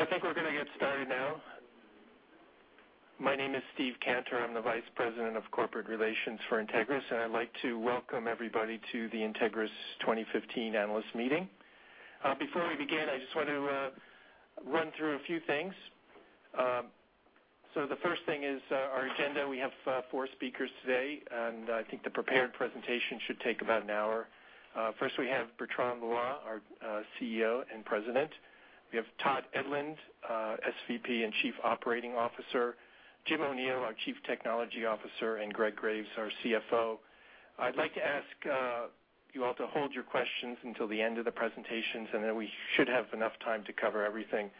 I think we're going to get started now. My name is Steve Cantor, I am the Vice President of Corporate Relations for Entegris, and I'd like to welcome everybody to the Entegris 2015 Analyst Meeting. Before we begin, I just want to run through a few things. The first thing is our agenda. We have four speakers today, and I think the prepared presentation should take about an hour. First we have Bertrand Loy, our CEO and President. We have Todd Edlund, SVP and Chief Operating Officer, Jim O'Neill, our Chief Technology Officer, and Greg Graves, our CFO. I'd like to ask you all to hold your questions until the end of the presentations. We should have enough time to cover everything.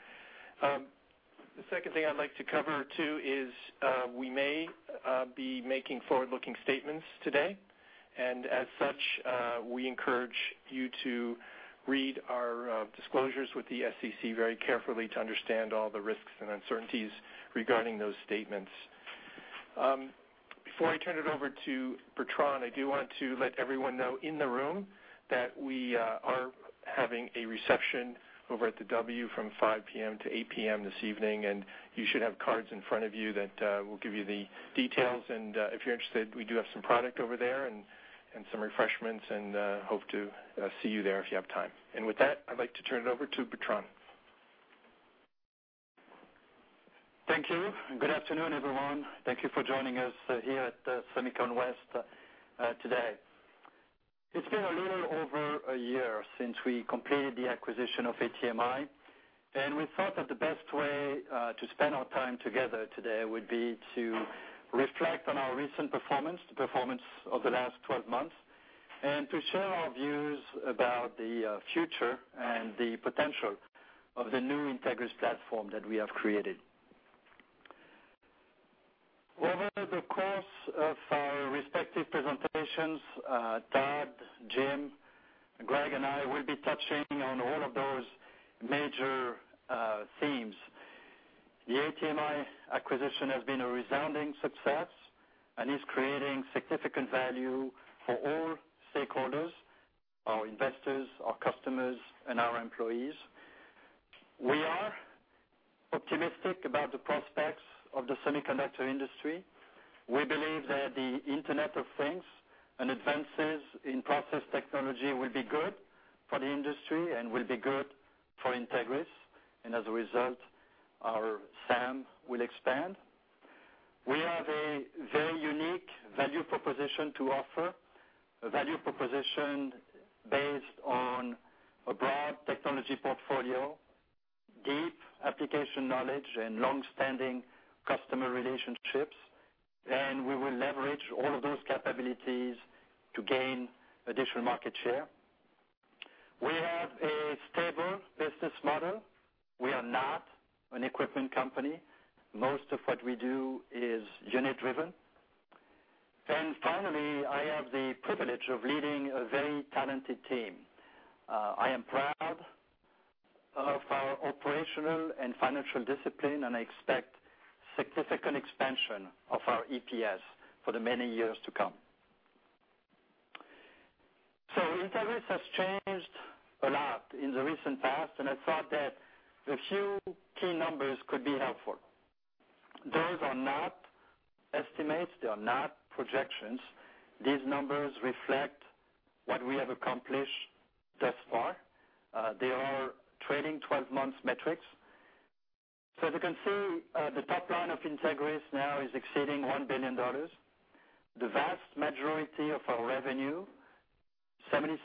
The second thing I'd like to cover too is, we may be making forward-looking statements today. As such, we encourage you to read our disclosures with the SEC very carefully to understand all the risks and uncertainties regarding those statements. Before I turn it over to Bertrand, I do want to let everyone know in the room that we are having a reception over at the W from 5:00 P.M. to 8:00 P.M. this evening. You should have cards in front of you that will give you the details. If you're interested, we do have some product over there and some refreshments and hope to see you there if you have time. With that, I'd like to turn it over to Bertrand. Thank you. Good afternoon, everyone. Thank you for joining us here at SEMICON West today. It's been a little over a year since we completed the acquisition of ATMI. We thought that the best way to spend our time together today would be to reflect on our recent performance, the performance of the last 12 months, and to share our views about the future and the potential of the new Entegris platform that we have created. Over the course of our respective presentations, Todd, Jim, Greg, and I will be touching on all of those major themes. The ATMI acquisition has been a resounding success. It is creating significant value for all stakeholders, our investors, our customers, and our employees. We are optimistic about the prospects of the semiconductor industry. We believe that the Internet of Things and advances in process technology will be good for the industry and will be good for Entegris. As a result, our SAM will expand. We have a very unique value proposition to offer, a value proposition based on a broad technology portfolio, deep application knowledge, and long-standing customer relationships. We will leverage all of those capabilities to gain additional market share. We have a stable business model. We are not an equipment company. Most of what we do is unit driven. Finally, I have the privilege of leading a very talented team. I am proud of our operational and financial discipline. I expect significant expansion of our EPS for the many years to come. Entegris has changed a lot in the recent past. I thought that a few key numbers could be helpful. Those are not estimates. They are not projections. These numbers reflect what we have accomplished thus far. They are trailing 12 months metrics. As you can see, the top line of Entegris now is exceeding $1 billion. The vast majority of our revenue, 77%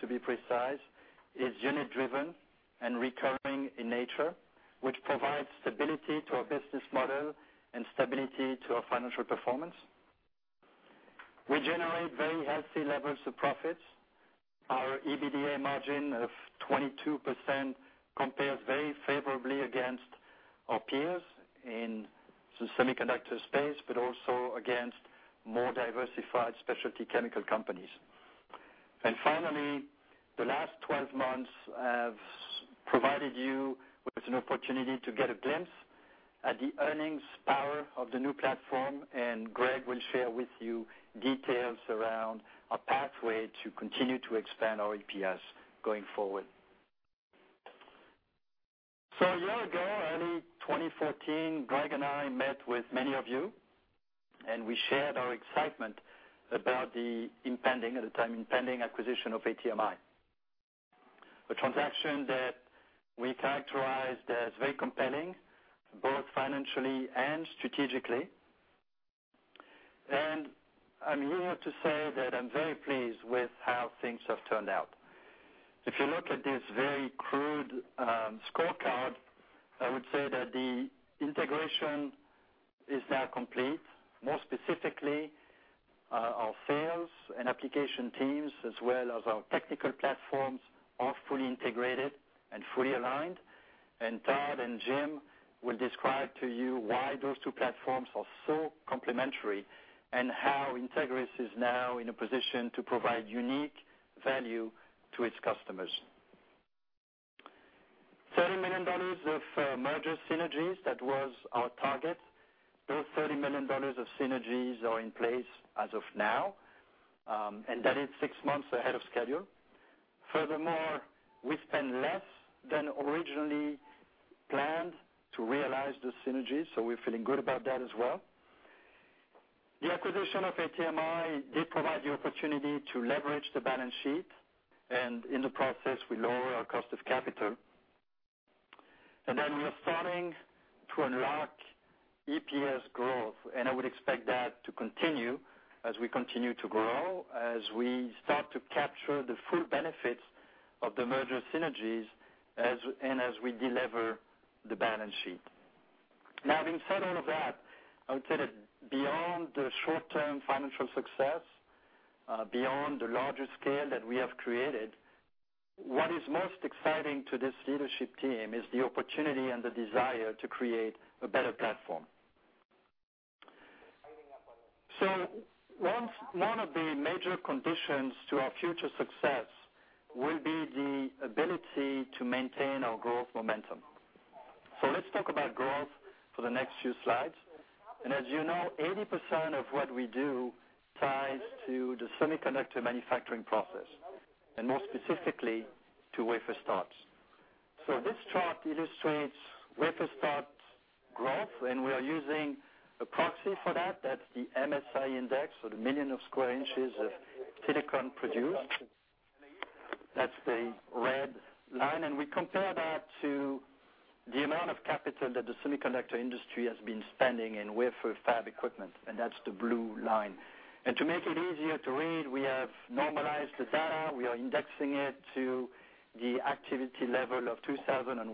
to be precise, is unit driven and recurring in nature, which provides stability to our business model and stability to our financial performance. We generate very healthy levels of profits. Our EBITDA margin of 22% compares very favorably against our peers in the semiconductor space, but also against more diversified specialty chemical companies. Finally, the last 12 months have provided you with an opportunity to get a glimpse at the earnings power of the new platform, and Greg will share with you details around our pathway to continue to expand our EPS going forward. A year ago, early 2014, Greg and I met with many of you, and we shared our excitement about the impending, at the time, acquisition of ATMI. A transaction that we characterized as very compelling, both financially and strategically. I'm here to say that I'm very pleased with how things have turned out. If you look at this very crude scorecard, I would say that the integration is now complete. More specifically, our sales and application teams as well as our technical platforms are fully integrated and fully aligned. Todd and Jim will describe to you why those two platforms are so complementary and how Entegris is now in a position to provide unique value to its customers. $30 million of merger synergies, that was our target. Those $30 million of synergies are in place as of now, and that is six months ahead of schedule. Furthermore, we spend less than originally planned to realize the synergies, we're feeling good about that as well. The acquisition of ATMI did provide the opportunity to leverage the balance sheet, and in the process, we lower our cost of capital. We are starting to unlock EPS growth, I would expect that to continue as we continue to grow, as we start to capture the full benefits of the merger synergies, and as we delever the balance sheet. Having said all of that, I would say that beyond the short-term financial success, beyond the larger scale that we have created, what is most exciting to this leadership team is the opportunity and the desire to create a better platform. One of the major conditions to our future success will be the ability to maintain our growth momentum. Let's talk about growth for the next few slides. As you know, 80% of what we do ties to the semiconductor manufacturing process, and more specifically to wafer starts. This chart illustrates wafer start growth, we are using a proxy for that. That's the MSI index or the million of square inches of silicon produced. That's the red line, we compare that to the amount of capital that the semiconductor industry has been spending in wafer fab equipment, that's the blue line. To make it easier to read, we have normalized the data. We are indexing it to the activity level of 2001.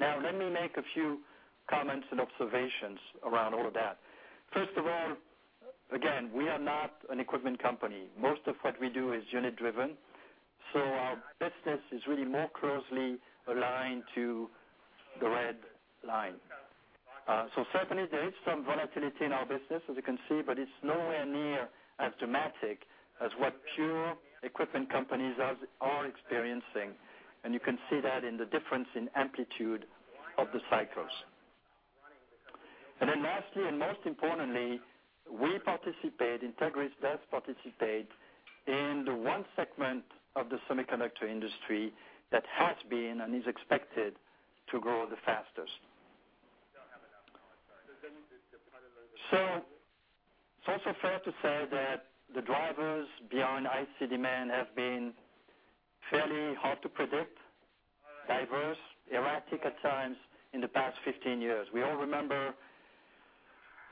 Let me make a few comments and observations around all of that. First of all, again, we are not an equipment company. Most of what we do is unit-driven, our business is really more closely aligned to the red line. Certainly, there is some volatility in our business, as you can see, but it's nowhere near as dramatic as what pure equipment companies are experiencing. You can see that in the difference in amplitude of the cycles. Lastly, and most importantly, we participate, Entegris does participate in the one segment of the semiconductor industry that has been and is expected to grow the fastest. It's also fair to say that the drivers behind IC demand have been fairly hard to predict, diverse, erratic at times in the past 15 years. We all remember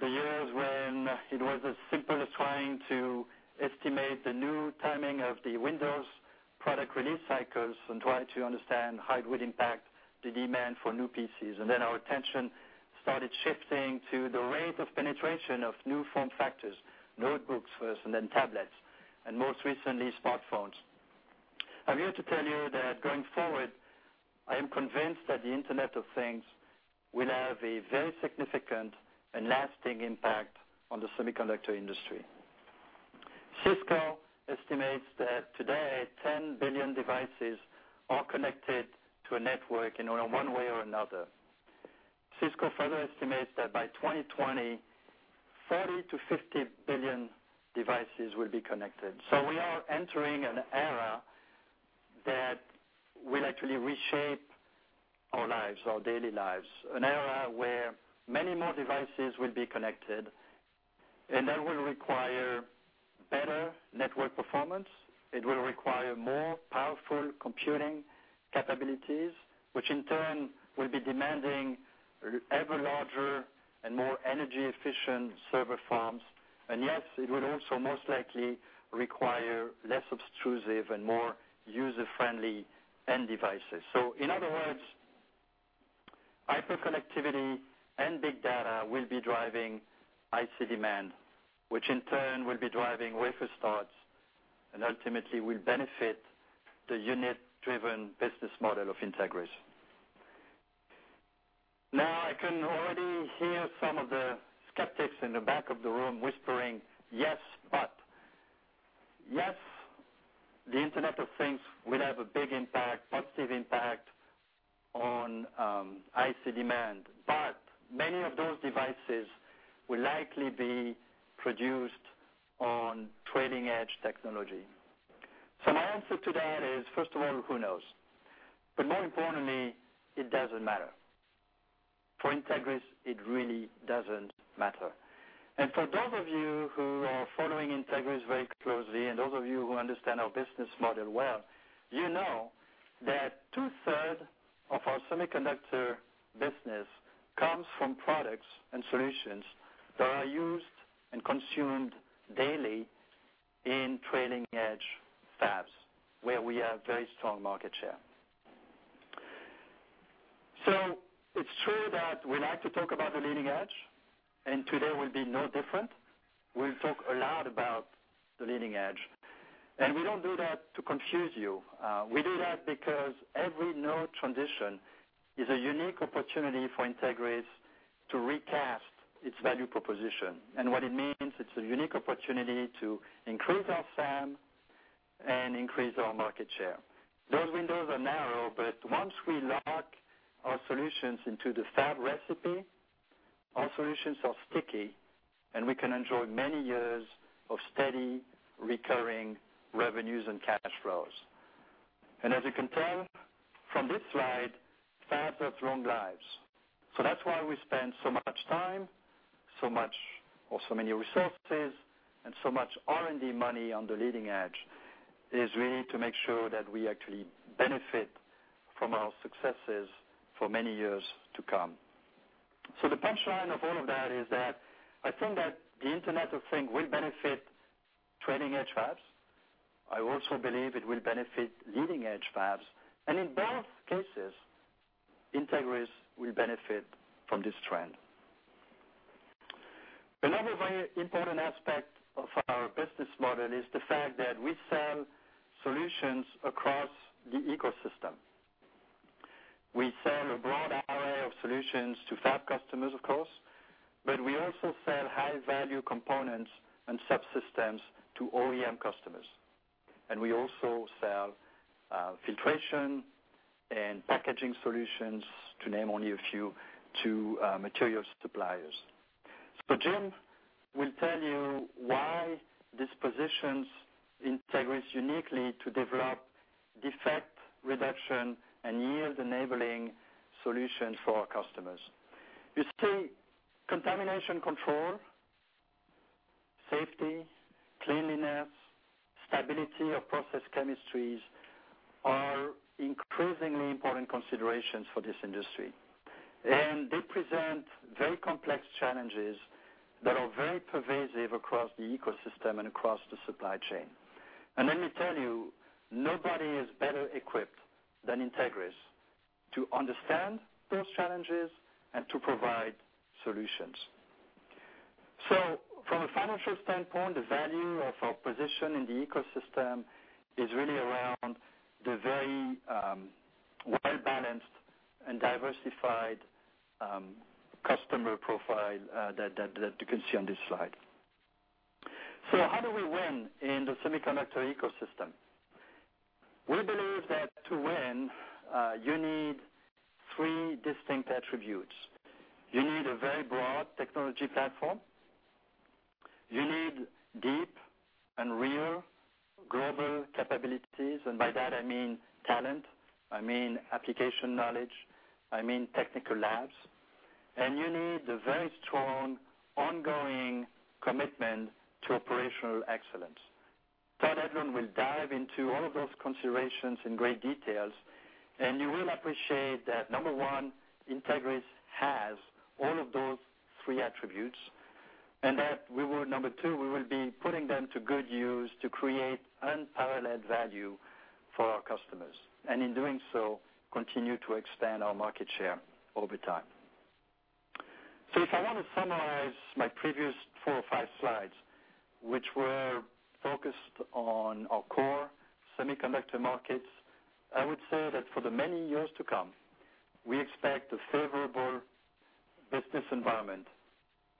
the years when it was as simple as trying to estimate the new timing of the Windows product release cycles and try to understand how it would impact the demand for new PCs. Our attention started shifting to the rate of penetration of new form factors, notebooks first, then tablets, and most recently, smartphones. I'm here to tell you that going forward, I am convinced that the Internet of Things will have a very significant and lasting impact on the semiconductor industry. Cisco estimates that today, 10 billion devices are connected to a network in one way or another. Cisco further estimates that by 2020, 40 billion to 50 billion devices will be connected. We are entering an era that will actually reshape our lives, our daily lives, an era where many more devices will be connected, and that will require better network performance. It will require more powerful computing capabilities, which in turn will be demanding ever larger and more energy-efficient server farms. Yes, it will also most likely require less obtrusive and more user-friendly end devices. In other words, hyperconnectivity and big data will be driving IC demand, which in turn will be driving wafer starts and ultimately will benefit the unit-driven business model of Entegris. I can already hear some of the skeptics in the back of the room whispering, "Yes, but." Yes, the Internet of Things will have a big impact, positive impact on IC demand. Many of those devices will likely be produced on trailing-edge technology. My answer to that is, first of all, who knows? More importantly, it doesn't matter. For Entegris, it really doesn't matter. For those of you who are following Entegris very closely, and those of you who understand our business model well, you know that two-third of our semiconductor business comes from products and solutions that are used and consumed daily in trailing-edge fabs, where we have very strong market share. It's true that we like to talk about the leading edge, today will be no different. We'll talk a lot about the leading edge. We don't do that to confuse you. We do that because every node transition is a unique opportunity for Entegris to recast its value proposition. What it means, it's a unique opportunity to increase our SAM and increase our market share. Those windows are narrow, but once we lock our solutions into the fab recipe, our solutions are sticky, and we can enjoy many years of steady recurring revenues and cash flows. As you can tell from this slide, fabs have long lives. That's why we spend so much time, so many resources, and so much R&D money on the leading edge, is really to make sure that we actually benefit from our successes for many years to come. The punchline of all of that is that I think that the Internet of Things will benefit trailing edge fabs. I also believe it will benefit leading-edge fabs, and in both cases, Entegris will benefit from this trend. Another very important aspect of our business model is the fact that we sell solutions across the ecosystem. We sell a broad array of solutions to fab customers, of course, but we also sell high-value components and subsystems to OEM customers. We also sell filtration and packaging solutions, to name only a few, to materials suppliers. Jim will tell you why this positions Entegris uniquely to develop defect reduction and yield-enabling solutions for our customers. You see, contamination control, safety, cleanliness, stability of process chemistries are increasingly important considerations for this industry. They present very complex challenges that are very pervasive across the ecosystem and across the supply chain. Let me tell you, nobody is better equipped than Entegris to understand those challenges and to provide solutions. From a financial standpoint, the value of our position in the ecosystem is really around the very well-balanced and diversified customer profile that you can see on this slide. How do we win in the semiconductor ecosystem? We believe that to win, you need three distinct attributes. You need a very broad technology platform. You need deep and real global capabilities. By that, I mean talent, I mean application knowledge, I mean technical labs. You need a very strong, ongoing commitment to operational excellence. Todd Edlund will dive into all of those considerations in great details, and you will appreciate that, number 1, Entegris has all of those three attributes. That we will, number 2, we will be putting them to good use to create unparalleled value for our customers. In doing so, continue to expand our market share over time. If I want to summarize my previous four or five slides, which were focused on our core semiconductor markets, I would say that for the many years to come, we expect a favorable business environment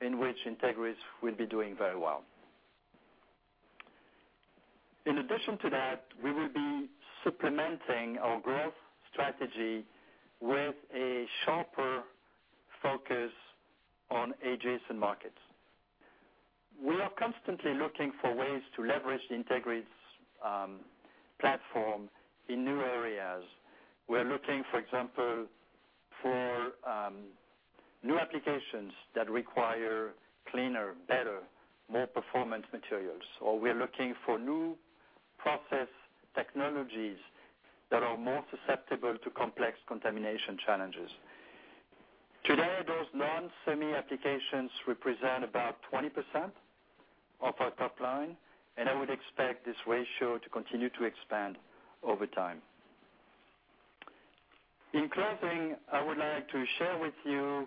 in which Entegris will be doing very well. In addition to that, we will be supplementing our growth strategy with a sharper focus on adjacent markets. We are constantly looking for ways to leverage Entegris platform in new areas. We are looking, for example, for new applications that require cleaner, better, more performance materials. We are looking for new process technologies that are more susceptible to complex contamination challenges. Today, those non-semi applications represent about 20% of our top line, and I would expect this ratio to continue to expand over time. In closing, I would like to share with you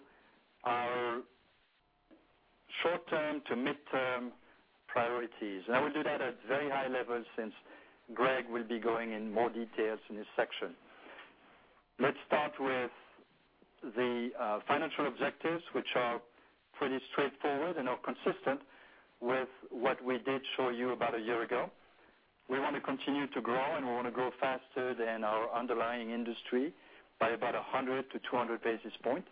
our short term to midterm priorities. I will do that at very high levels since Greg will be going in more details in this section. Let's start with the financial objectives, which are pretty straightforward and are consistent with what we did show you about a year ago. We want to continue to grow, and we want to grow faster than our underlying industry by about 100 to 200 basis points.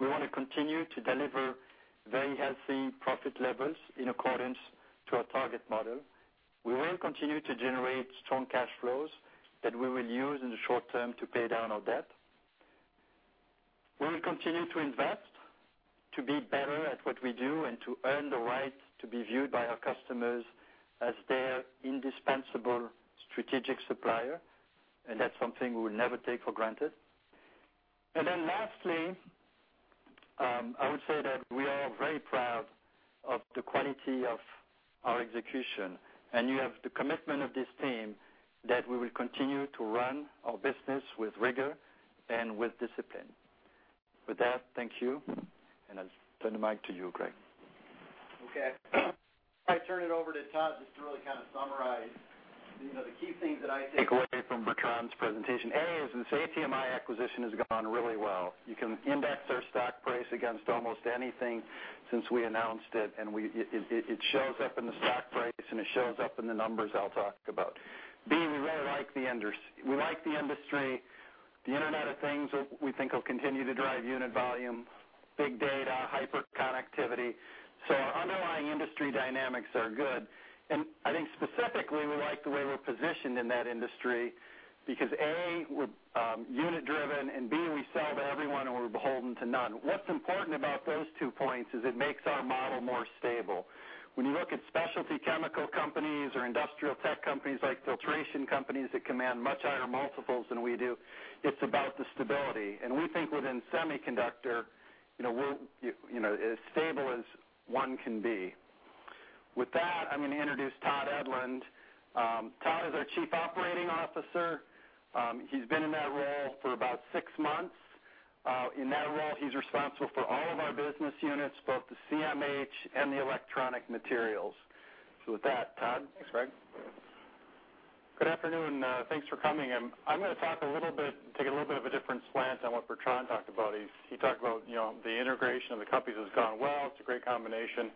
We want to continue to deliver very healthy profit levels in accordance to our target model. We will continue to generate strong cash flows that we will use in the short term to pay down our debt. We will continue to invest to be better at what we do and to earn the right to be viewed by our customers as their indispensable strategic supplier, and that's something we will never take for granted. Lastly, I would say that we are very proud of the quality of our execution, and you have the commitment of this team that we will continue to run our business with rigor and with discipline. With that, thank you, and I'll turn the mic to you, Greg. Okay. I turn it over to Todd just to really kind of summarize the key things that I take away from Bertrand's presentation. A, is this ATMI acquisition has gone really well. You can index our stock price against almost anything since we announced it, and it shows up in the stock price, and it shows up in the numbers I'll talk about. B, we like the industry the Internet of Things, we think, will continue to drive unit volume, big data, hyperconnectivity. Our underlying industry dynamics are good, and I think specifically, we like the way we're positioned in that industry because, A, we're unit-driven, and B, we sell to everyone and we're beholden to none. What's important about those two points is it makes our model more stable. When you look at specialty chemical companies or industrial tech companies like filtration companies that command much higher multiples than we do, it's about the stability. We think within semiconductor, we're as stable as one can be. With that, I'm going to introduce Todd Edlund. Todd is our Chief Operating Officer. He's been in that role for about six months. In that role, he's responsible for all of our business units, both the CMH and the electronic materials. With that, Todd. Thanks, Greg. Good afternoon. Thanks for coming. I'm going to talk a little bit, take a little bit of a different slant on what Bertrand talked about. He talked about the integration of the companies has gone well. It's a great combination.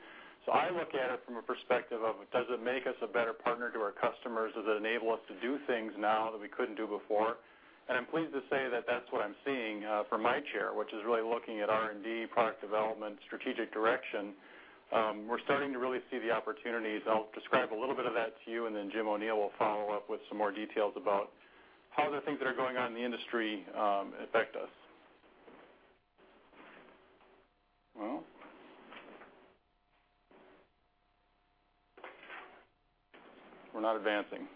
I look at it from a perspective of, does it make us a better partner to our customers? Does it enable us to do things now that we couldn't do before? I'm pleased to say that that's what I'm seeing from my chair, which is really looking at R&D, product development, strategic direction. We're starting to really see the opportunities. I'll describe a little bit of that to you, Jim O'Neill will follow up with some more details about how the things that are going on in the industry affect us. Well, we're not advancing.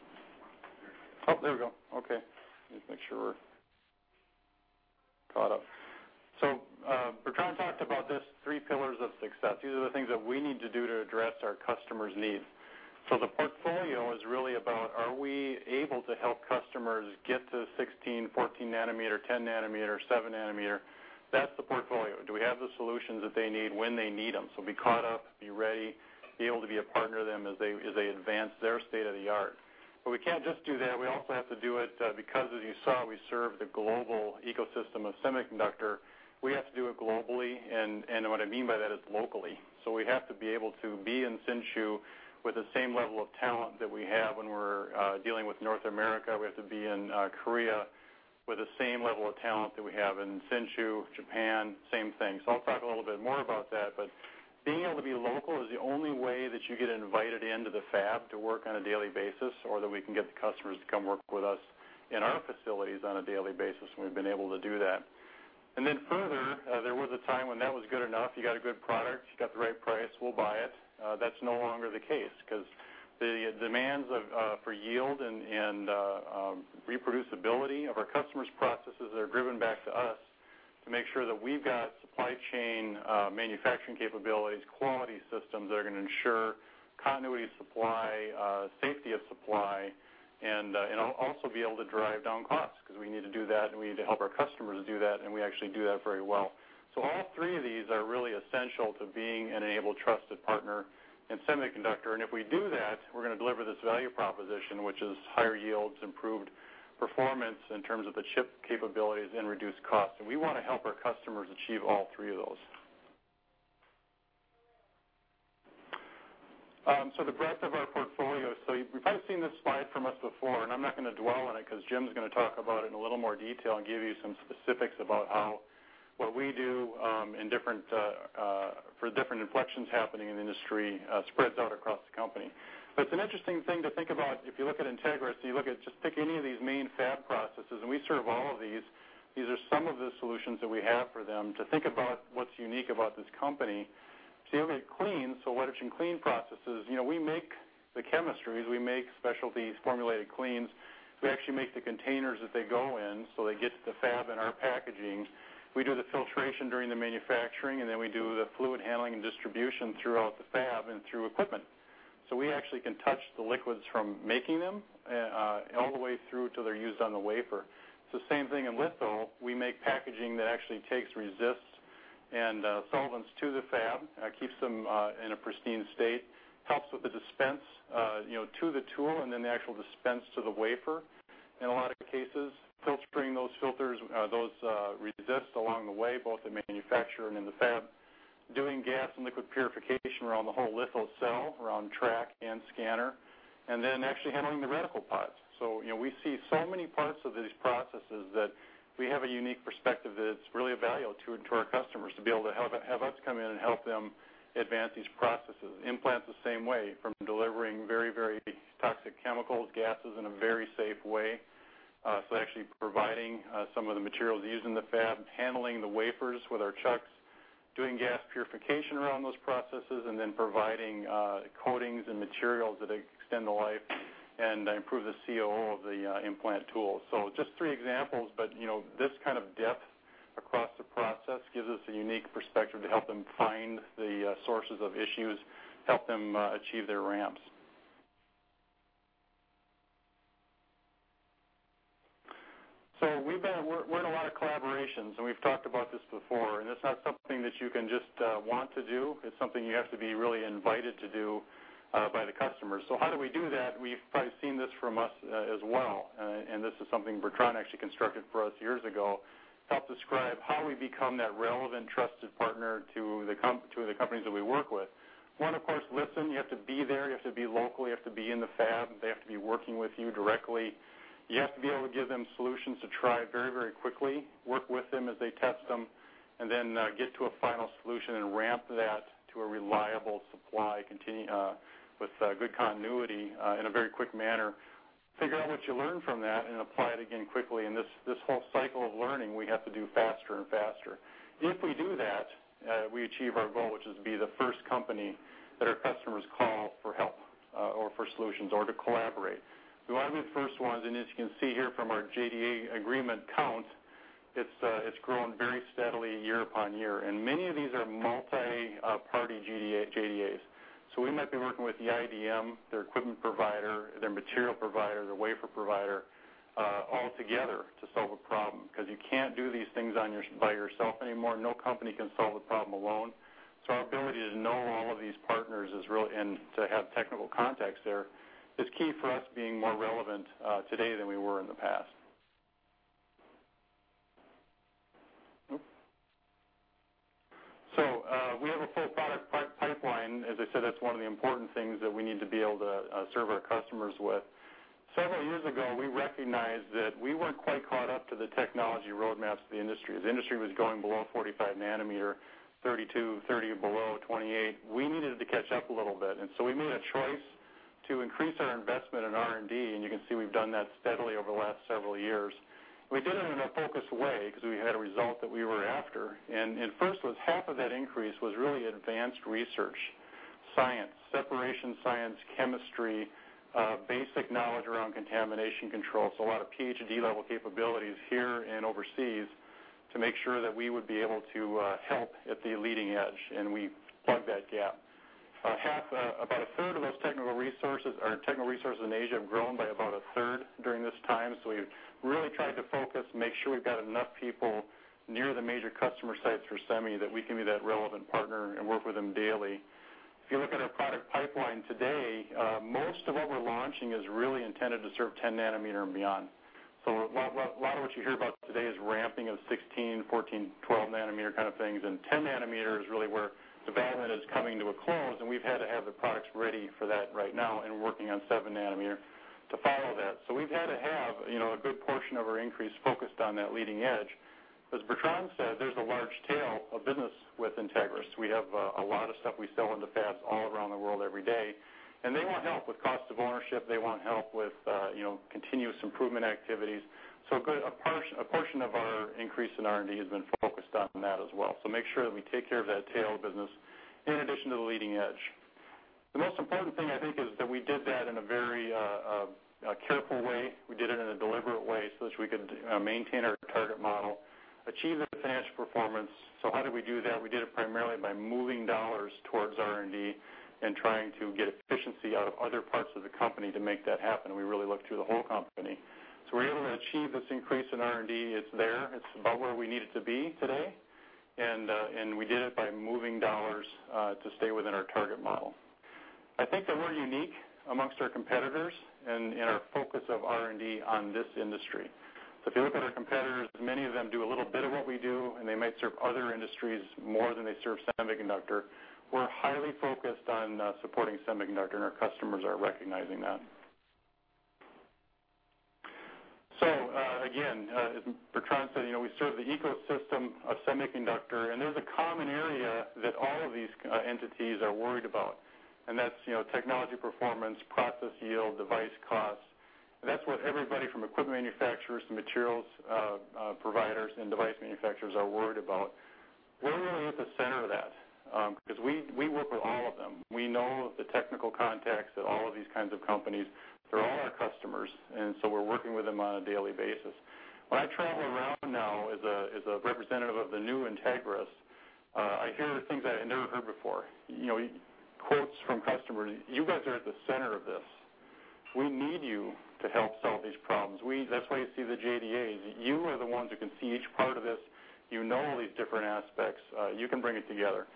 Oh, there we go. Okay. Just make sure we're caught up. Bertrand talked about this, three pillars of success. These are the things that we need to do to address our customers' needs. The portfolio is really about, are we able to help customers get to 16, 14 nanometer, 10 nanometer, seven nanometer? That's the portfolio. Do we have the solutions that they need when they need them? Be caught up, be ready, be able to be a partner to them as they advance their state-of-the-art. We can't just do that. We also have to do it because, as you saw, we serve the global ecosystem of semiconductor. We have to do it globally, and what I mean by that is locally. We have to be able to be in Hsinchu with the same level of talent that we have when we're dealing with North America. We have to be in Korea with the same level of talent that we have in Hsinchu, Japan, same thing. I'll talk a little bit more about that, being able to be local is the only way that you get invited into the fab to work on a daily basis, or that we can get the customers to come work with us in our facilities on a daily basis, and we've been able to do that. Further, there was a time when that was good enough. You got a good product, you got the right price, we'll buy it. That's no longer the case, because the demands for yield and reproducibility of our customers' processes are driven back to us to make sure that we've got supply chain manufacturing capabilities, quality systems that are going to ensure continuity of supply, safety of supply, and also be able to drive down costs, because we need to do that, and we need to help our customers do that, and we actually do that very well. All three of these are really essential to being an enabled, trusted partner in semiconductor. If we do that, we're going to deliver this value proposition, which is higher yields, improved performance in terms of the chip capabilities, and reduced costs. We want to help our customers achieve all three of those. The breadth of our portfolio. You've probably seen this slide from us before, I'm not going to dwell on it because Jim's going to talk about it in a little more detail and give you some specifics about how what we do for different inflections happening in the industry spreads out across the company. It's an interesting thing to think about if you look at Entegris, you look at just pick any of these main fab processes, we serve all of these. These are some of the solutions that we have for them to think about what's unique about this company. You look at clean, wet etch and clean processes. We make the chemistries, we make specialties, formulated cleans. We actually make the containers that they go in, so they get to the fab in our packaging. We do the filtration during the manufacturing, then we do the fluid handling and distribution throughout the fab and through equipment. We actually can touch the liquids from making them all the way through till they're used on the wafer. It's the same thing in litho. We make packaging that actually takes resists and solvents to the fab, keeps them in a pristine state, helps with the dispense to the tool, and then the actual dispense to the wafer. In a lot of cases, filtering those filters, those resists along the way, both in manufacture and in the fab. Doing gas and liquid purification around the whole litho cell, around track and scanner, and then actually handling the reticle pods. We see so many parts of these processes that we have a unique perspective that it's really of value to our customers to be able to have us come in and help them advance these processes. Implants the same way, from delivering very, very toxic chemicals, gases in a very safe way. Actually providing some of the materials used in the fab, handling the wafers with our chucks, doing gas purification around those processes, and then providing coatings and materials that extend the life and improve the COO of the implant tool. Just three examples, but this kind of depth across the process gives us a unique perspective to help them find the sources of issues, help them achieve their ramps. We're in a lot of collaborations, and we've talked about this before, and it's not something that you can just want to do. It's something you have to be really invited to do by the customer. How do we do that? You've probably seen this from us as well, and this is something Bertrand actually constructed for us years ago. Help describe how we become that relevant, trusted partner to the companies that we work with. One, of course, listen. You have to be there, you have to be local, you have to be in the fab. They have to be working with you directly. You have to be able to give them solutions to try very quickly, work with them as they test them, and then get to a final solution and ramp that to a reliable supply with good continuity in a very quick manner. Figure out what you learned from that and apply it again quickly. This whole cycle of learning, we have to do faster and faster. If we do that, we achieve our goal, which is to be the first company that our customers call for help or for solutions or to collaborate. We want to be the first ones, and as you can see here from our JDA agreement count, it's grown very steadily year upon year. Many of these are multi-party JDAs. We might be working with the IDM, their equipment provider, their material provider, their wafer provider, all together to solve a problem, because you can't do these things by yourself anymore. No company can solve a problem alone. Our ability to know all of these partners and to have technical contacts there is key for us being more relevant today than we were in the past. We have a full product pipeline. As I said, that's one of the important things that we need to be able to serve our customers with. Several years ago, we recognized that we weren't quite caught up to the technology roadmaps of the industry. The industry was going below 45 nanometer, 32, 30, below 28. We needed to catch up a little bit. We made a choice to increase our investment in R&D. You can see we've done that steadily over the last several years. We did it in a focused way because we had a result that we were after. First was half of that increase was really advanced research, science, separation science, chemistry, basic knowledge around contamination control. A lot of PhD-level capabilities here and overseas to make sure that we would be able to help at the leading edge. We plugged that gap. About a third of those technical resources. Our technical resources in Asia have grown by about a third during this time. We've really tried to focus and make sure we've got enough people near the major customer sites for semi that we can be that relevant partner and work with them daily. If you look at our product pipeline today, most of what we're launching is really intended to serve 10 nanometer and beyond. A lot of what you hear about today is ramping of 16, 14, 12 nanometer kind of things. 10 nanometer is really where the bandwidth is coming to a close. We've had to have the products ready for that right now and working on seven nanometer to follow that. We've had to have a good portion of our increase focused on that leading edge. As Bertrand said, there's a large tail of business with Entegris. We have a lot of stuff we sell in the fabs all around the world every day. They want help with cost of ownership. They want help with continuous improvement activities. A portion of our increase in R&D has been focused on that as well. Make sure that we take care of that tail business in addition to the leading edge. The most important thing, I think, is that we did that in a very careful way. We did it in a deliberate way so that we could maintain our target model, achieve the financial performance. How did we do that? We did it primarily by moving dollars towards R&D and trying to get efficiency out of other parts of the company to make that happen. We really look to the whole company. We're able to achieve this increase in R&D. It's there. It's about where we need it to be today. We did it by moving dollars to stay within our target model. I think that we're unique amongst our competitors in our focus of R&D on this industry. If you look at our competitors, many of them do a little bit of what we do. They might serve other industries more than they serve semiconductor. We're highly focused on supporting semiconductor. Our customers are recognizing that. Again, as Bertrand said, we serve the ecosystem of semiconductor. There's a common area that all of these entities are worried about. That's technology performance, process yield, device costs. That's what everybody from equipment manufacturers to materials providers and device manufacturers are worried about. We're really at the center of that, because we work with all of them. We know the technical contacts at all of these kinds of companies. They're all our customers. We're working with them on a daily basis. When I travel around now as a representative of the new Entegris, I hear things that I never heard before. Quotes from customers, "You guys are at the center of this. We need you to help solve these problems. That's why you see the JDAs. You are the ones who can see each part of this. You know all these different aspects. You can bring it together."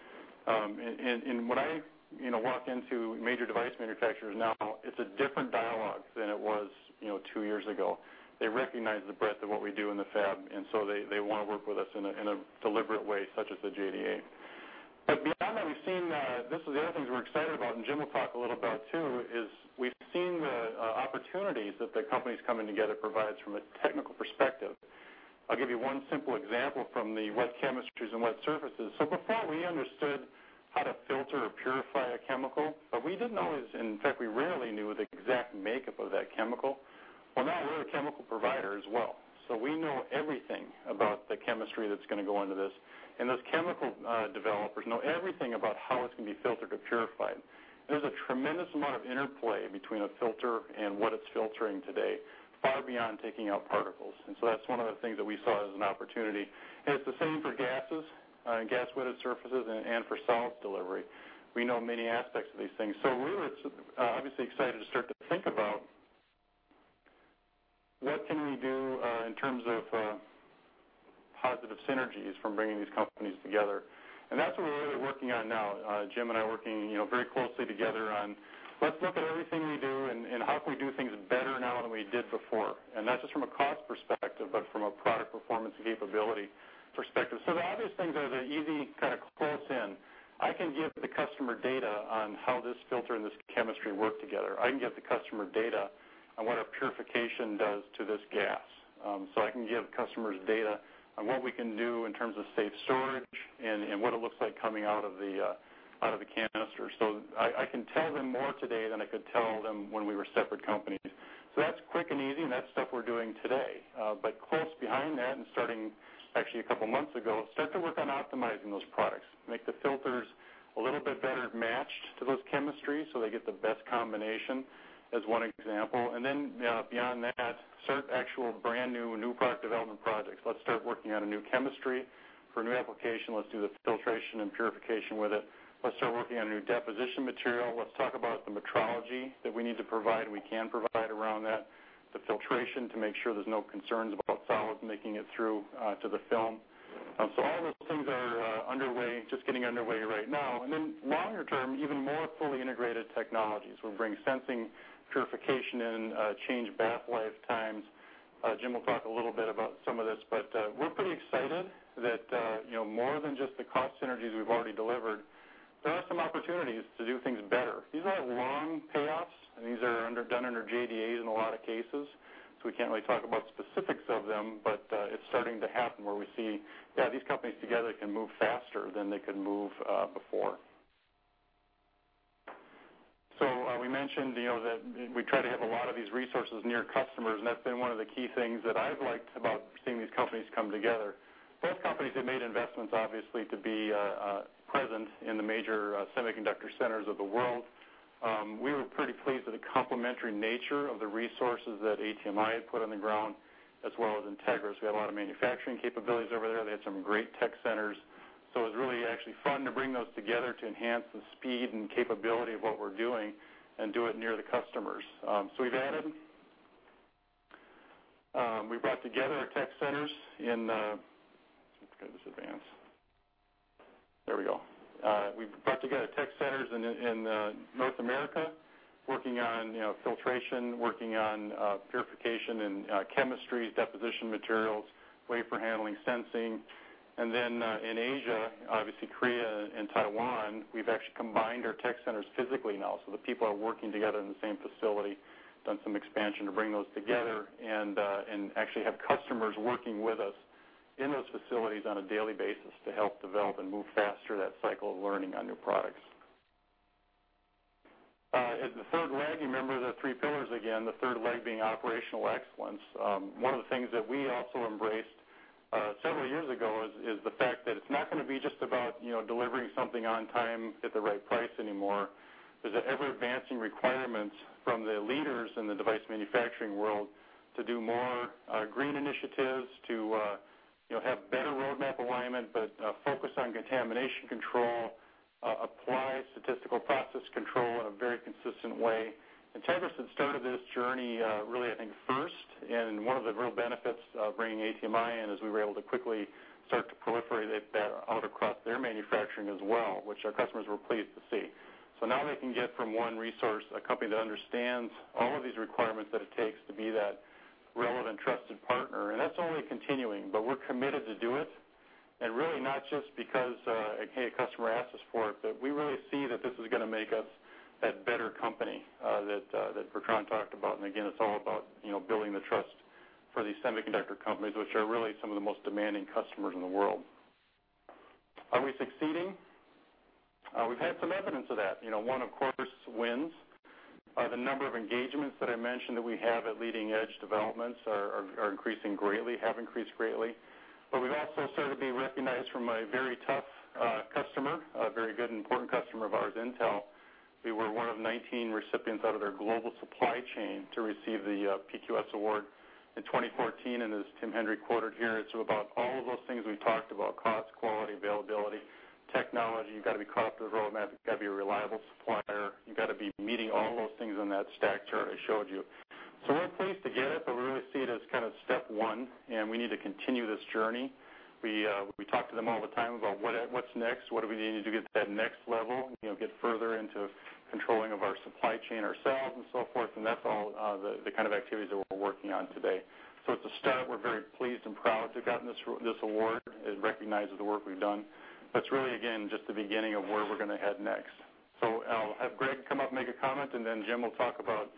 When I walk into major device manufacturers now, it's a different dialogue than it was two years ago. They recognize the breadth of what we do in the fab. They want to work with us in a deliberate way, such as the JDA. Beyond that, we've seen. This is the other things we're excited about, and Jim will talk a little about too, is we've seen the opportunities that the companies coming together provides from a technical perspective. I'll give you one simple example from the wet chemistries and wet surfaces. Before we understood how to filter or purify a chemical, but we didn't always, and in fact, we rarely knew the exact makeup of that chemical. Now we're a chemical provider as well, so we know everything about the chemistry that's going to go into this, and those chemical developers know everything about how it's going to be filtered or purified. There's a tremendous amount of interplay between a filter and what it's filtering today, far beyond taking out particles. That's one of the things that we saw as an opportunity. It's the same for gases, gas-wetted surfaces, and for solid delivery. We know many aspects of these things. We were obviously excited to start to think about what can we do in terms of positive synergies from bringing these companies together? That's what we're really working on now. Jim and I are working very closely together on, let's look at everything we do and how can we do things better now than we did before. Not just from a cost perspective, but from a product performance capability perspective. The obvious things are the easy kind of close in. I can give the customer data on how this filter and this chemistry work together. I can give the customer data on what our purification does to this gas. I can give customers data on what we can do in terms of safe storage and what it looks like coming out of the canister. I can tell them more today than I could tell them when we were separate companies. That's quick and easy, and that's stuff we're doing today. Close behind that, and starting actually a couple of months ago, start to work on optimizing those products, make the filters a little bit better matched to those chemistries so they get the best combination, as one example. Beyond that, start actual brand new product development projects. Let's start working on a new chemistry for a new application. Let's do the filtration and purification with it. Let's start working on a new deposition material. Let's talk about the metrology that we need to provide and we can provide around that, the filtration to make sure there's no concerns about solids making it through to the film. All those things are just getting underway right now. Then longer term, even more fully integrated technologies. We'll bring sensing, purification in, change bath lifetimes. Jim will talk a little bit about some of this, but we're pretty excited that more than just the cost synergies we've already delivered, there are some opportunities to do things better. These are long payoffs, and these are done under JDAs in a lot of cases, so we can't really talk about specifics of them, but it's starting to happen where we see these companies together can move faster than they could move before. We mentioned that we try to have a lot of these resources near customers, and that's been one of the key things that I've liked about seeing these companies come together. Both companies have made investments, obviously, to be present in the major semiconductor centers of the world. We were pretty pleased with the complementary nature of the resources that ATMI had put on the ground, as well as Entegris. We had a lot of manufacturing capabilities over there. They had some great tech centers. It was really actually fun to bring those together to enhance the speed and capability of what we're doing and do it near the customers. Let me get this advanced. There we go. We've brought together tech centers in North America, working on filtration, working on purification and chemistry, deposition materials, wafer handling, sensing. Then, in Asia, obviously Korea and Taiwan, we've actually combined our tech centers physically now. The people are working together in the same facility, done some expansion to bring those together, and actually have customers working with us in those facilities on a daily basis to help develop and move faster that cycle of learning on new products. The third leg, you remember the three pillars again, the third leg being operational excellence. One of the things that we also embraced several years ago is the fact that it's not going to be just about delivering something on time at the right price anymore. There's ever-advancing requirements from the leaders in the device manufacturing world to do more green initiatives, to have better roadmap alignment, but focus on contamination control, apply statistical process control in a very consistent way. Entegris had started this journey, really, I think, first, and one of the real benefits of bringing ATMI in is we were able to quickly start to proliferate that out across their manufacturing as well, which our customers were pleased to see. Now they can get from one resource, a company that understands all of these requirements that it takes to be that relevant, trusted partner. That's only continuing, but we're committed to do it, and really not just because, hey, a customer asked us for it, but we really see that this is going to make us that better company that Bertrand talked about. Again, it's all about building the trust for these semiconductor companies, which are really some of the most demanding customers in the world. Are we succeeding? We've had some evidence of that. One, of course, wins. The number of engagements that I mentioned that we have at leading-edge developments have increased greatly. We've also started to be recognized from a very tough customer, a very good, important customer of ours, Intel. We were one of 19 recipients out of their global supply chain to receive the PQS award in 2014. As Tim Henry quoted here, it's about all of those things we've talked about, cost, quality, availability, technology. You've got to be cost with a roadmap. You've got to be a reliable supplier. You've got to be meeting all those things on that stack chart I showed you. We're pleased to get it, but we really see it as step one, and we need to continue this journey. We talk to them all the time about what's next, what do we need to do to get to that next level, get further into controlling of our supply chain ourselves and so forth, and that's all the kind of activities that we're working on today. It's a start. We're very pleased and proud to have gotten this award. It recognizes the work we've done. It's really, again, just the beginning of where we're going to head next. I'll have Greg come up and make a comment, and then Jim will talk about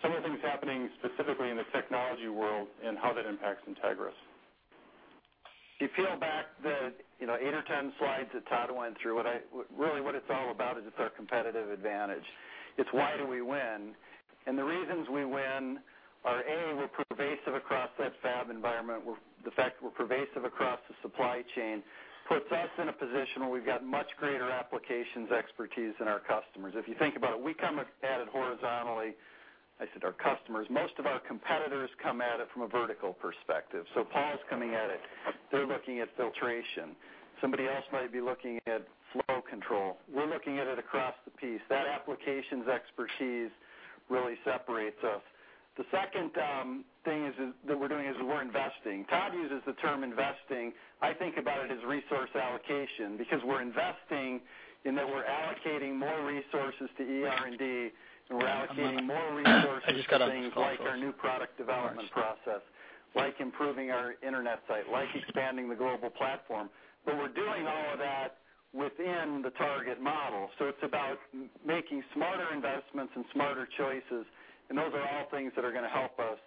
some of the things happening specifically in the technology world and how that impacts Entegris. If you peel back the eight or 10 slides that Todd went through, really what it's all about is it's our competitive advantage. It's why do we win, and the reasons we win are, A, we're pervasive across that fab environment. The fact we're pervasive across the supply chain puts us in a position where we've got much greater applications expertise than our customers. If you think about it, we come at it horizontally. I said our customers. Most of our competitors come at it from a vertical perspective. Pall's coming at it. They're looking at filtration. Somebody else might be looking at flow control. We're looking at it across the piece. That applications expertise really separates us. The second thing that we're doing is we're investing. Todd uses the term investing. I think about it as resource allocation, because we're investing in that we're allocating more resources to ER&D, and we're allocating more resources to things like our new product development process, like improving our internet site, like expanding the global platform. We're doing all of that within the target model. It's about making smarter investments and smarter choices, and those are all things that are going to help us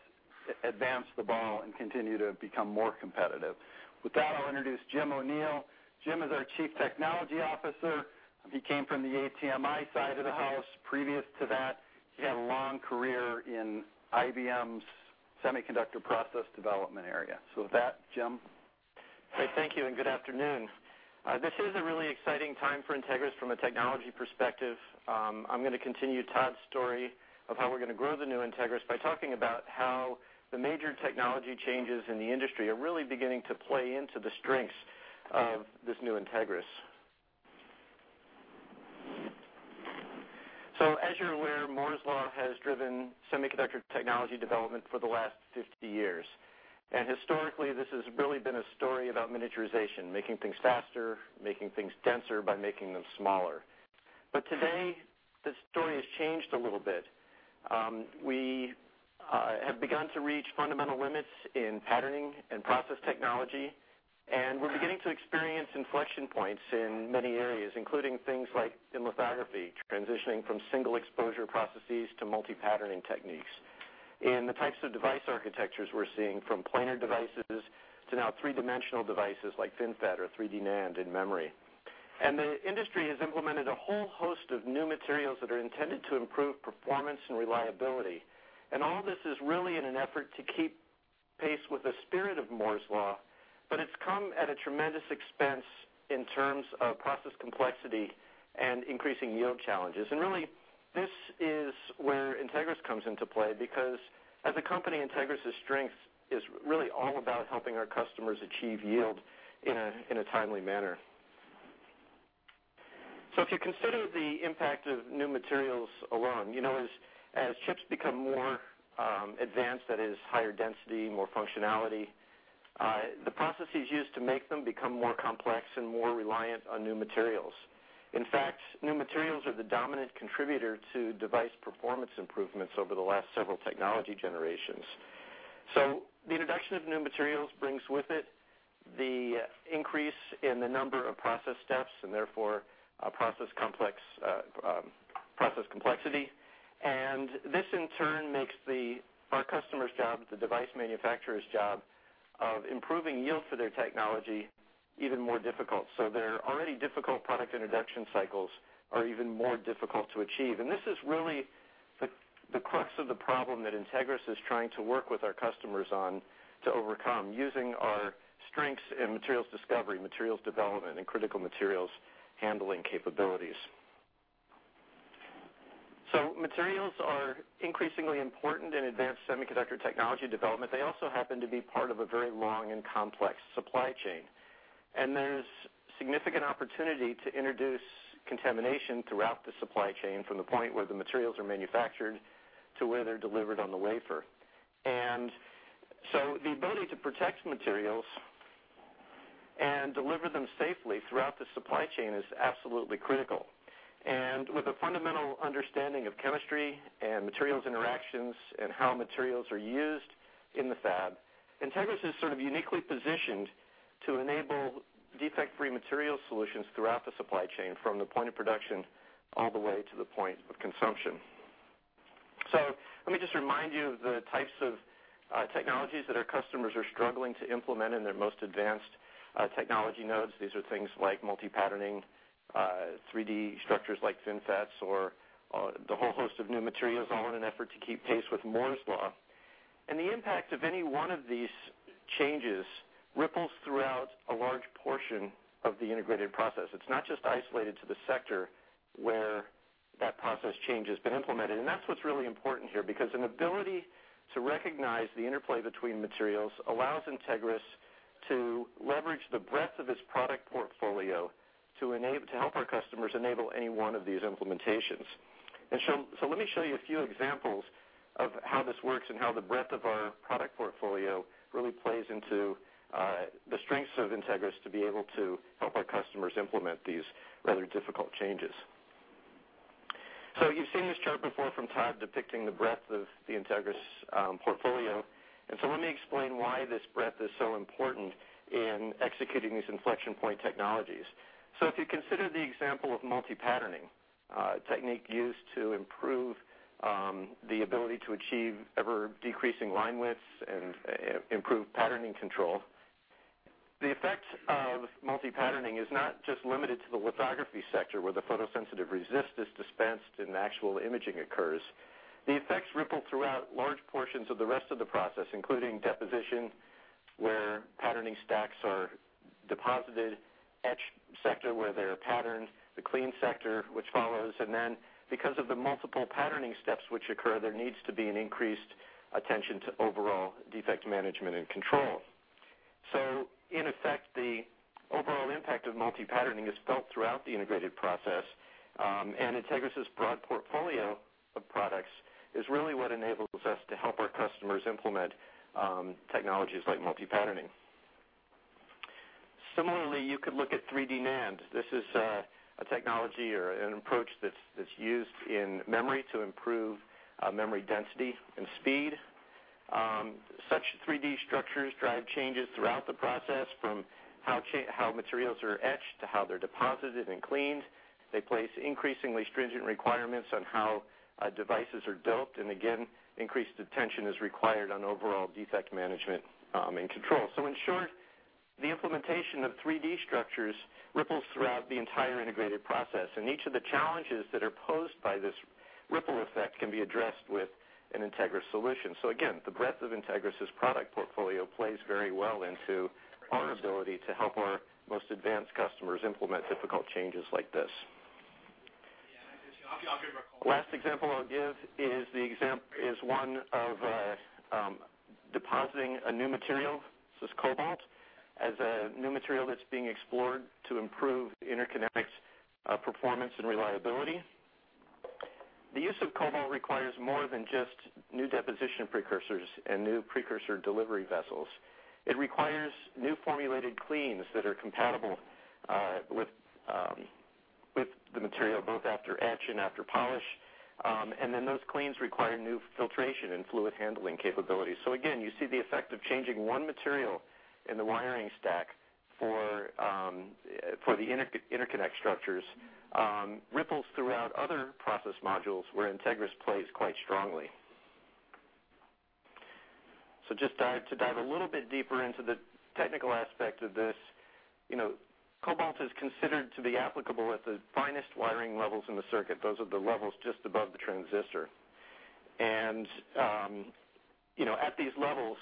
advance the ball and continue to become more competitive. With that, I'll introduce Jim O'Neill. Jim is our Chief Technology Officer. He came from the ATMI side of the house. Previous to that, he had a long career in IBM's semiconductor process development area. With that, Jim. Great. Thank you. Good afternoon. This is a really exciting time for Entegris from a technology perspective. I'm going to continue Todd's story of how we're going to grow the new Entegris by talking about how the major technology changes in the industry are really beginning to play into the strengths of this new Entegris. As you're aware, Moore's Law has driven semiconductor technology development for the last 50 years. Historically, this has really been a story about miniaturization, making things faster, making things denser by making them smaller. Today, the story has changed a little bit. We have begun to reach fundamental limits in patterning and process technology, and we're beginning to experience inflection points in many areas, including things like in lithography, transitioning from single exposure processes to multi-patterning techniques. In the types of device architectures we're seeing, from planar devices to now three-dimensional devices like FinFET or 3D NAND in memory. The industry has implemented a whole host of new materials that are intended to improve performance and reliability. All this is really in an effort to keep pace with the spirit of Moore's law, but it's come at a tremendous expense in terms of process complexity and increasing yield challenges. Really, this is where Entegris comes into play because as a company, Entegris' strength is really all about helping our customers achieve yield in a timely manner. If you consider the impact of new materials alone, you notice as chips become more advanced, that is higher density, more functionality, the processes used to make them become more complex and more reliant on new materials. New materials are the dominant contributor to device performance improvements over the last several technology generations. The introduction of new materials brings with it the increase in the number of process steps, and therefore process complexity. This in turn makes our customers' job, the device manufacturer's job, of improving yield for their technology even more difficult. Their already difficult product introduction cycles are even more difficult to achieve. This is really the crux of the problem that Entegris is trying to work with our customers on to overcome, using our strengths in materials discovery, materials development, and critical materials handling capabilities. Materials are increasingly important in advanced semiconductor technology development. They also happen to be part of a very long and complex supply chain. There's significant opportunity to introduce contamination throughout the supply chain, from the point where the materials are manufactured to where they're delivered on the wafer. The ability to protect materials and deliver them safely throughout the supply chain is absolutely critical. With a fundamental understanding of chemistry and materials interactions and how materials are used in the fab, Entegris is sort of uniquely positioned to enable defect-free material solutions throughout the supply chain, from the point of production all the way to the point of consumption. Let me just remind you of the types of technologies that our customers are struggling to implement in their most advanced technology nodes. These are things like multi-patterning, 3D structures like FinFETs, or the whole host of new materials, all in an effort to keep pace with Moore's law. The impact of any one of these changes ripples throughout a large portion of the integrated process. It's not just isolated to the sector where that process change has been implemented. That's what's really important here, because an ability to recognize the interplay between materials allows Entegris to leverage the breadth of its product portfolio to help our customers enable any one of these implementations. Let me show you a few examples of how this works and how the breadth of our product portfolio really plays into the strengths of Entegris to be able to help our customers implement these rather difficult changes. You've seen this chart before from Todd depicting the breadth of the Entegris portfolio. Let me explain why this breadth is so important in executing these inflection point technologies. If you consider the example of multi-patterning, a technique used to improve the ability to achieve ever-decreasing line widths and improve patterning control. The effect of multi-patterning is not just limited to the lithography sector, where the photosensitive resist is dispensed and the actual imaging occurs. The effects ripple throughout large portions of the rest of the process, including deposition, where patterning stacks are deposited, etch sector, where they are patterned, the clean sector, which follows, and then because of the multiple patterning steps which occur, there needs to be an increased attention to overall defect management and control. In effect, the overall impact of multi-patterning is felt throughout the integrated process. Entegris' broad portfolio of products is really what enables us to help our customers implement technologies like multi-patterning. Similarly, you could look at 3D NAND. This is a technology or an approach that's used in memory to improve memory density and speed. Such 3D structures drive changes throughout the process from how materials are etched to how they're deposited and cleaned. They place increasingly stringent requirements on how devices are doped, and again, increased attention is required on overall defect management and control. In short, the implementation of 3D structures ripples throughout the entire integrated process, and each of the challenges that are posed by this ripple effect can be addressed with an Entegris solution. Again, the breadth of Entegris' product portfolio plays very well into our ability to help our most advanced customers implement difficult changes like this. Last example I'll give is one of depositing a new material, this is cobalt, as a new material that's being explored to improve interconnects performance and reliability. The use of cobalt requires more than just new deposition precursors and new precursor delivery vessels. It requires new formulated cleans that are compatible with the material, both after etch and after polish. Then those cleans require new filtration and fluid handling capabilities. Again, you see the effect of changing one material in the wiring stack for the interconnect structures, ripples throughout other process modules where Entegris plays quite strongly. Just to dive a little bit deeper into the technical aspect of this. Cobalt is considered to be applicable at the finest wiring levels in the circuit. Those are the levels just above the transistor. At these levels,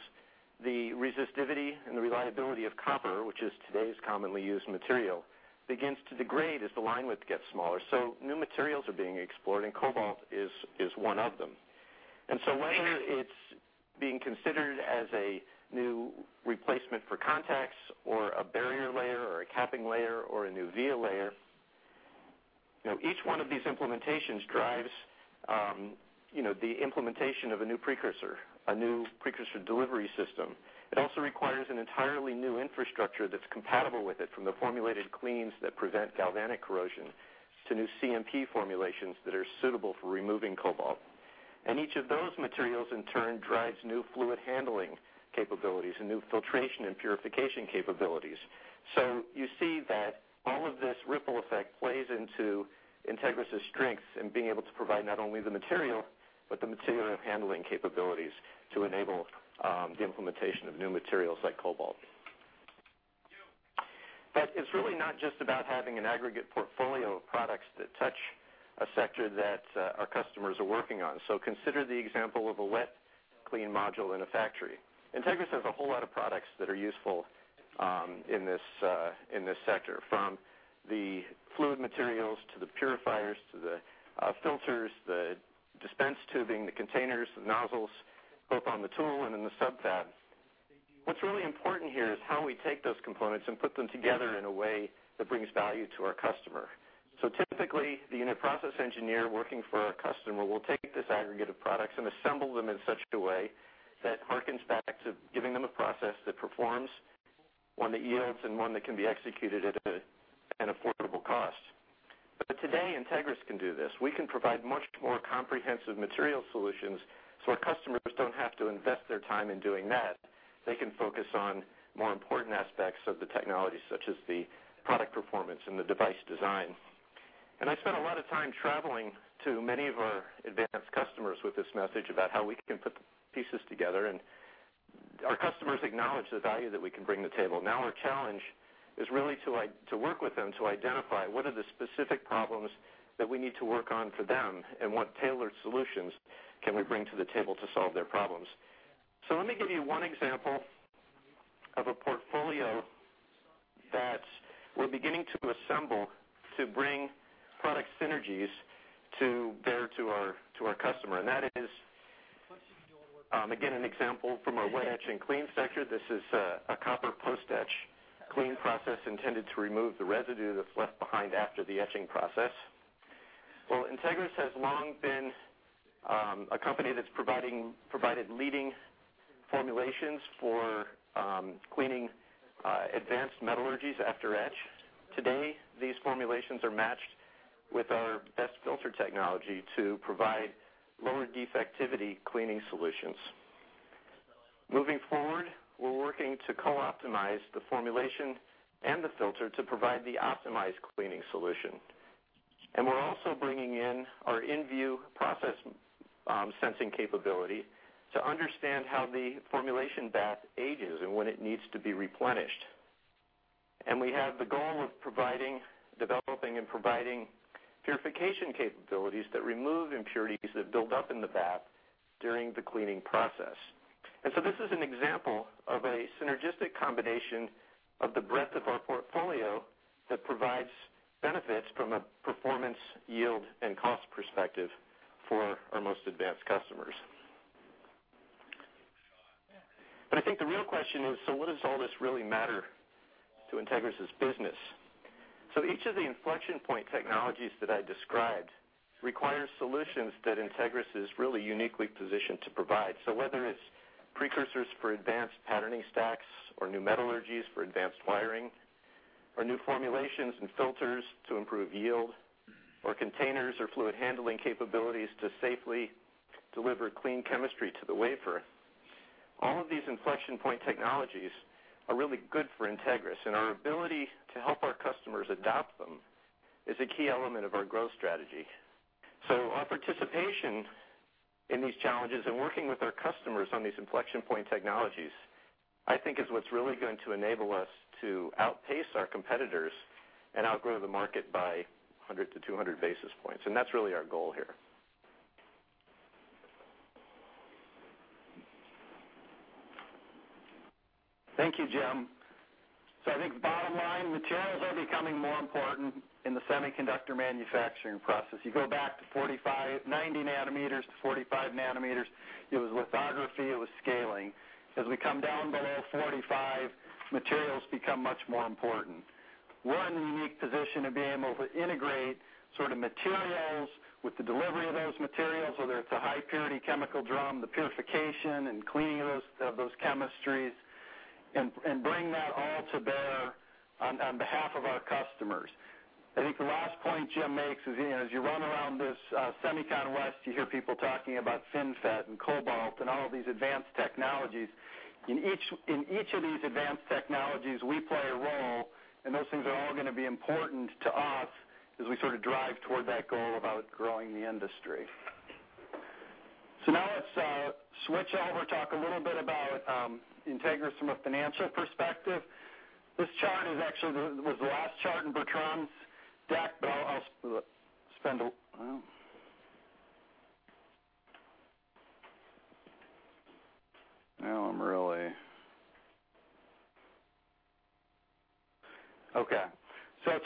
the resistivity and the reliability of copper, which is today's commonly used material, begins to degrade as the line width gets smaller. New materials are being explored, and cobalt is one of them. Whether it's being considered as a new replacement for contacts or a barrier layer or a capping layer or a new via layer, each one of these implementations drives the implementation of a new precursor, a new precursor delivery system. It also requires an entirely new infrastructure that's compatible with it, from the formulated cleans that prevent galvanic corrosion, to new CMP formulations that are suitable for removing cobalt. Each of those materials in turn drives new fluid handling capabilities and new filtration and purification capabilities. You see that all of this ripple effect plays into Entegris' strength in being able to provide not only the material, but the material handling capabilities to enable the implementation of new materials like cobalt. It's really not just about having an aggregate portfolio of products that touch a sector that our customers are working on. Consider the example of a wet clean module in a factory. Entegris has a whole lot of products that are useful in this sector, from the fluid materials, to the purifiers, to the filters, the dispense tubing, the containers, the nozzles, both on the tool and in the subfab. What's really important here is how we take those components and put them together in a way that brings value to our customer. Typically, the unit process engineer working for our customer will take this aggregate of products and assemble them in such a way that hearkens back to giving them a process that performs, one that yields, and one that can be executed at an affordable cost. Today, Entegris can do this. We can provide much more comprehensive material solutions so our customers don't have to invest their time in doing that. They can focus on more important aspects of the technology, such as the product performance and the device design. I spent a lot of time traveling to many of our advanced customers with this message about how we can put the pieces together, and our customers acknowledge the value that we can bring to the table. Our challenge is really to work with them to identify what are the specific problems that we need to work on for them, and what tailored solutions can we bring to the table to solve their problems. Let me give you one example of a portfolio that we're beginning to assemble to bring product synergies there to our customer. That is, again, an example from our wet etch and clean sector. This is a copper post-etch clean process intended to remove the residue that's left behind after the etching process. Well, Entegris has long been a company that's provided leading formulations for cleaning advanced metallurgies after etch. Today, these formulations are matched with our best filter technology to provide lower defectivity cleaning solutions. Moving forward, we're working to co-optimize the formulation and the filter to provide the optimized cleaning solution. We're also bringing in our InVue process sensing capability to understand how the formulation bath ages and when it needs to be replenished. We have the goal of developing and providing purification capabilities that remove impurities that build up in the bath during the cleaning process. This is an example of a synergistic combination of the breadth of our portfolio that provides benefits from a performance, yield, and cost perspective. For our most advanced customers. I think the real question is: What does all this really matter to Entegris' business? Each of the inflection point technologies that I described requires solutions that Entegris is really uniquely positioned to provide. Whether it's precursors for advanced patterning stacks or new metallurgies for advanced wiring, or new formulations and filters to improve yield, or containers or fluid handling capabilities to safely deliver clean chemistry to the wafer, all of these inflection point technologies are really good for Entegris, and our ability to help our customers adopt them is a key element of our growth strategy. Our participation in these challenges and working with our customers on these inflection point technologies, I think is what's really going to enable us to outpace our competitors and outgrow the market by 100 basis points-200 basis points. That's really our goal here. Thank you, Jim. I think bottom line, materials are becoming more important in the semiconductor manufacturing process. You go back to 90 nanometers-45 nanometers, it was lithography, it was scaling. As we come down below 45, materials become much more important. We're in the unique position of being able to integrate materials with the delivery of those materials, whether it's a high-purity chemical drum, the purification and cleaning of those chemistries, and bring that all to bear on behalf of our customers. I think the last point Jim makes is, as you run around this SEMICON West, you hear people talking about FinFET and cobalt and all of these advanced technologies. In each of these advanced technologies, we play a role, those things are all going to be important to us as we sort of drive toward that goal about growing the industry. Let's switch over, talk a little bit about Entegris from a financial perspective. This chart is actually, was the last chart in Bertrand's deck.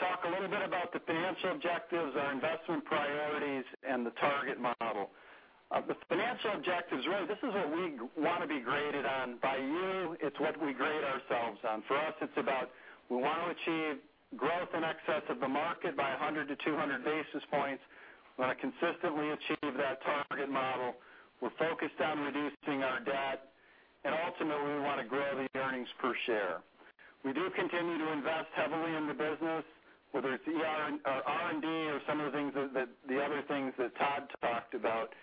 Talk a little bit about the financial objectives, our investment priorities, and the target model. The financial objectives, really, this is what we want to be graded on by you. It's what we grade ourselves on. For us, it's about we want to achieve growth in excess of the market by 100 to 200 basis points. We want to consistently achieve that target model. We're focused on reducing our debt, and ultimately, we want to grow the earnings per share. We do continue to invest heavily in the business, whether it's R&D or some of the other things that Todd talked about.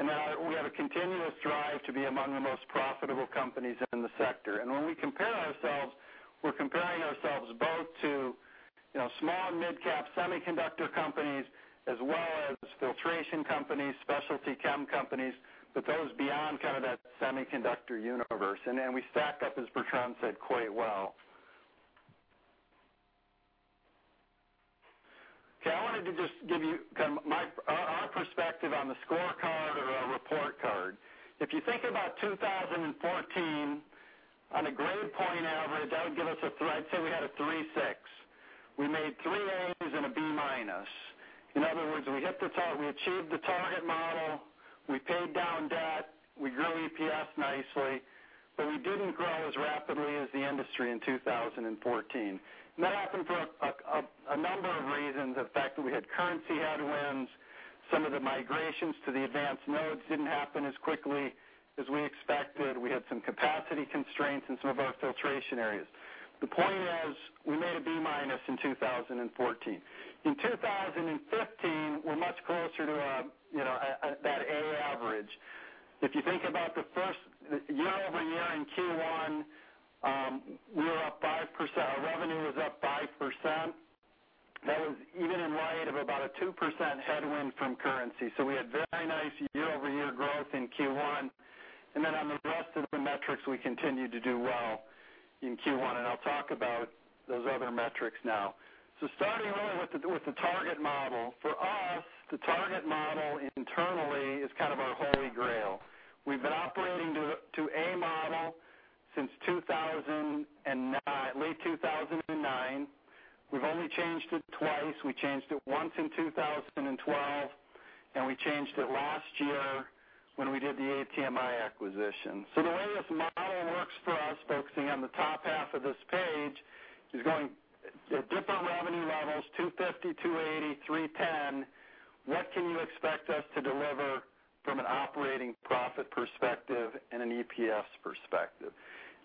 We have a continuous drive to be among the most profitable companies in the sector. When we compare ourselves, we're comparing ourselves both to small and mid-cap semiconductor companies as well as filtration companies, specialty chem companies, but those beyond kind of that semiconductor universe. We stack up, as Bertrand said, quite well. I wanted to just give you our perspective on the scorecard or our report card. If you think about 2014, on a grade point average, that would give us a, I'd say we had a 3.6. We made three As and a B minus. In other words, we hit the target. We achieved the target model. We paid down debt. We grew EPS nicely, but we didn't grow as rapidly as the industry in 2014. That happened for a number of reasons. The fact that we had currency headwinds, some of the migrations to the advanced nodes didn't happen as quickly as we expected. We had some capacity constraints in some of our filtration areas. The point is, we made a B minus in 2014. In 2015, we're much closer to that A average. If you think about the first year-over-year in Q1, we were up 5%. Our revenue was up 5%. That was even in light of about a 2% headwind from currency. We had very nice year-over-year growth in Q1. Then on the rest of the metrics, we continued to do well in Q1, and I'll talk about those other metrics now. Starting really with the target model. For us, the target model internally is kind of our holy grail. We've been operating to a model since late 2009. We've only changed it twice. We changed it once in 2012, and we changed it last year when we did the ATMI acquisition. The way this model works for us, focusing on the top half of this page, is going at different revenue levels, 250, 280, 310, what can you expect us to deliver from an operating profit perspective and an EPS perspective?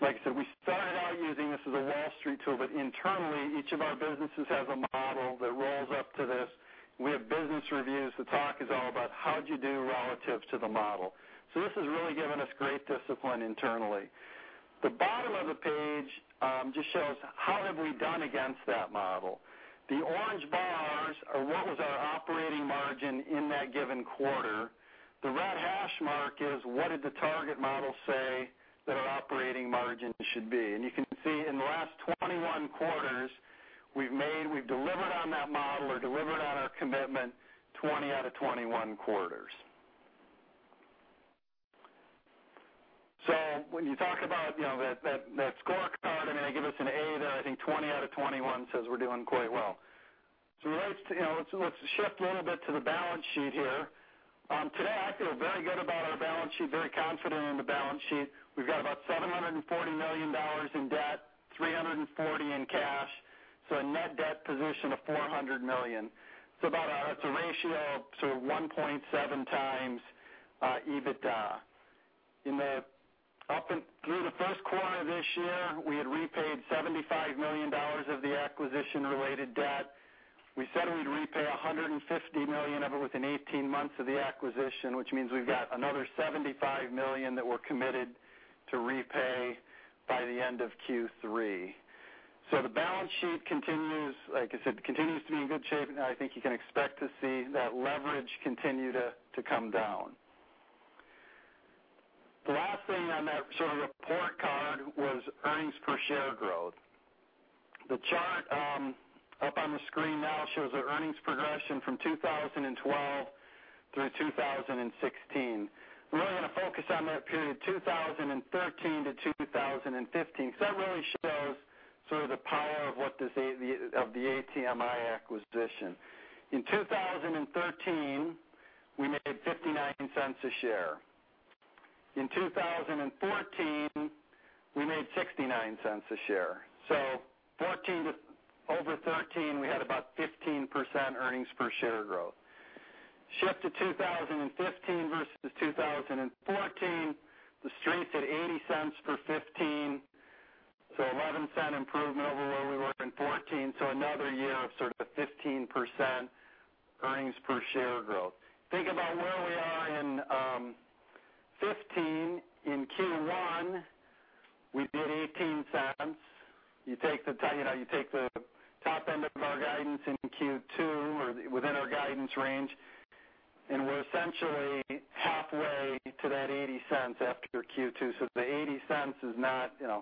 Like I said, we started out using this as a Wall Street tool, but internally, each of our businesses has a model that rolls up to this. We have business reviews. The talk is all about how'd you do relative to the model. This has really given us great discipline internally. The bottom of the page just shows how have we done against that model. The orange bars are what was our operating margin in that given quarter. The red hash mark is what did the target model say that our operating margin should be? You can see in the last 21 quarters, we've delivered on that model or delivered on our commitment 20 out of 21 quarters. When you talk about that scorecard. They give us an A there, I think 20 out of 21 says we're doing quite well. Let's shift a little bit to the balance sheet here. Today, I feel very good about our balance sheet, very confident in the balance sheet. We've got about $740 million in debt, $340 million in cash, so a net debt position of $400 million. It's a ratio of 1.7 times EBITDA. Through the first quarter of this year, we had repaid $75 million of the acquisition-related debt. We said we'd repay $150 million of it within 18 months of the acquisition, which means we've got another $75 million that we're committed to repay by the end of Q3. The balance sheet continues, like I said, continues to be in good shape, and I think you can expect to see that leverage continue to come down. The last thing on that report card was earnings per share growth. The chart up on the screen now shows our earnings progression from 2012 through 2016. We're only going to focus on that period, 2013 to 2015, because that really shows the power of the ATMI acquisition. In 2013, we made $0.59 a share. In 2014, we made $0.69 a share. 2014 to over 2013, we had about 15% earnings per share growth. Shift to 2015 versus 2014, the street said $0.80 for 2015. $0.11 improvement over where we were in 2014. Another year of sort of a 15% earnings per share growth. Think about where we are in 2015. In Q1, we did $0.18. You take the top end of our guidance in Q2 or within our guidance range, and we're essentially halfway to that $0.80 after Q2. The $0.80,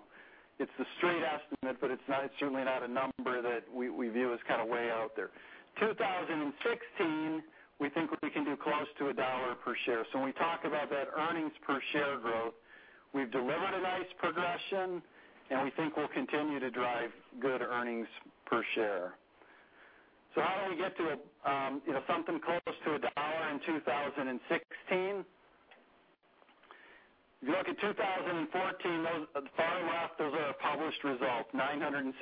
it's the street estimate, but it's certainly not a number that we view as way out there. 2016, we think we can do close to $1.00 per share. When we talk about that earnings per share growth, we've delivered a nice progression, and we think we'll continue to drive good earnings per share. How do we get to something close to $1.00 in 2016? If you look at 2014, the far left, those are our published results, $962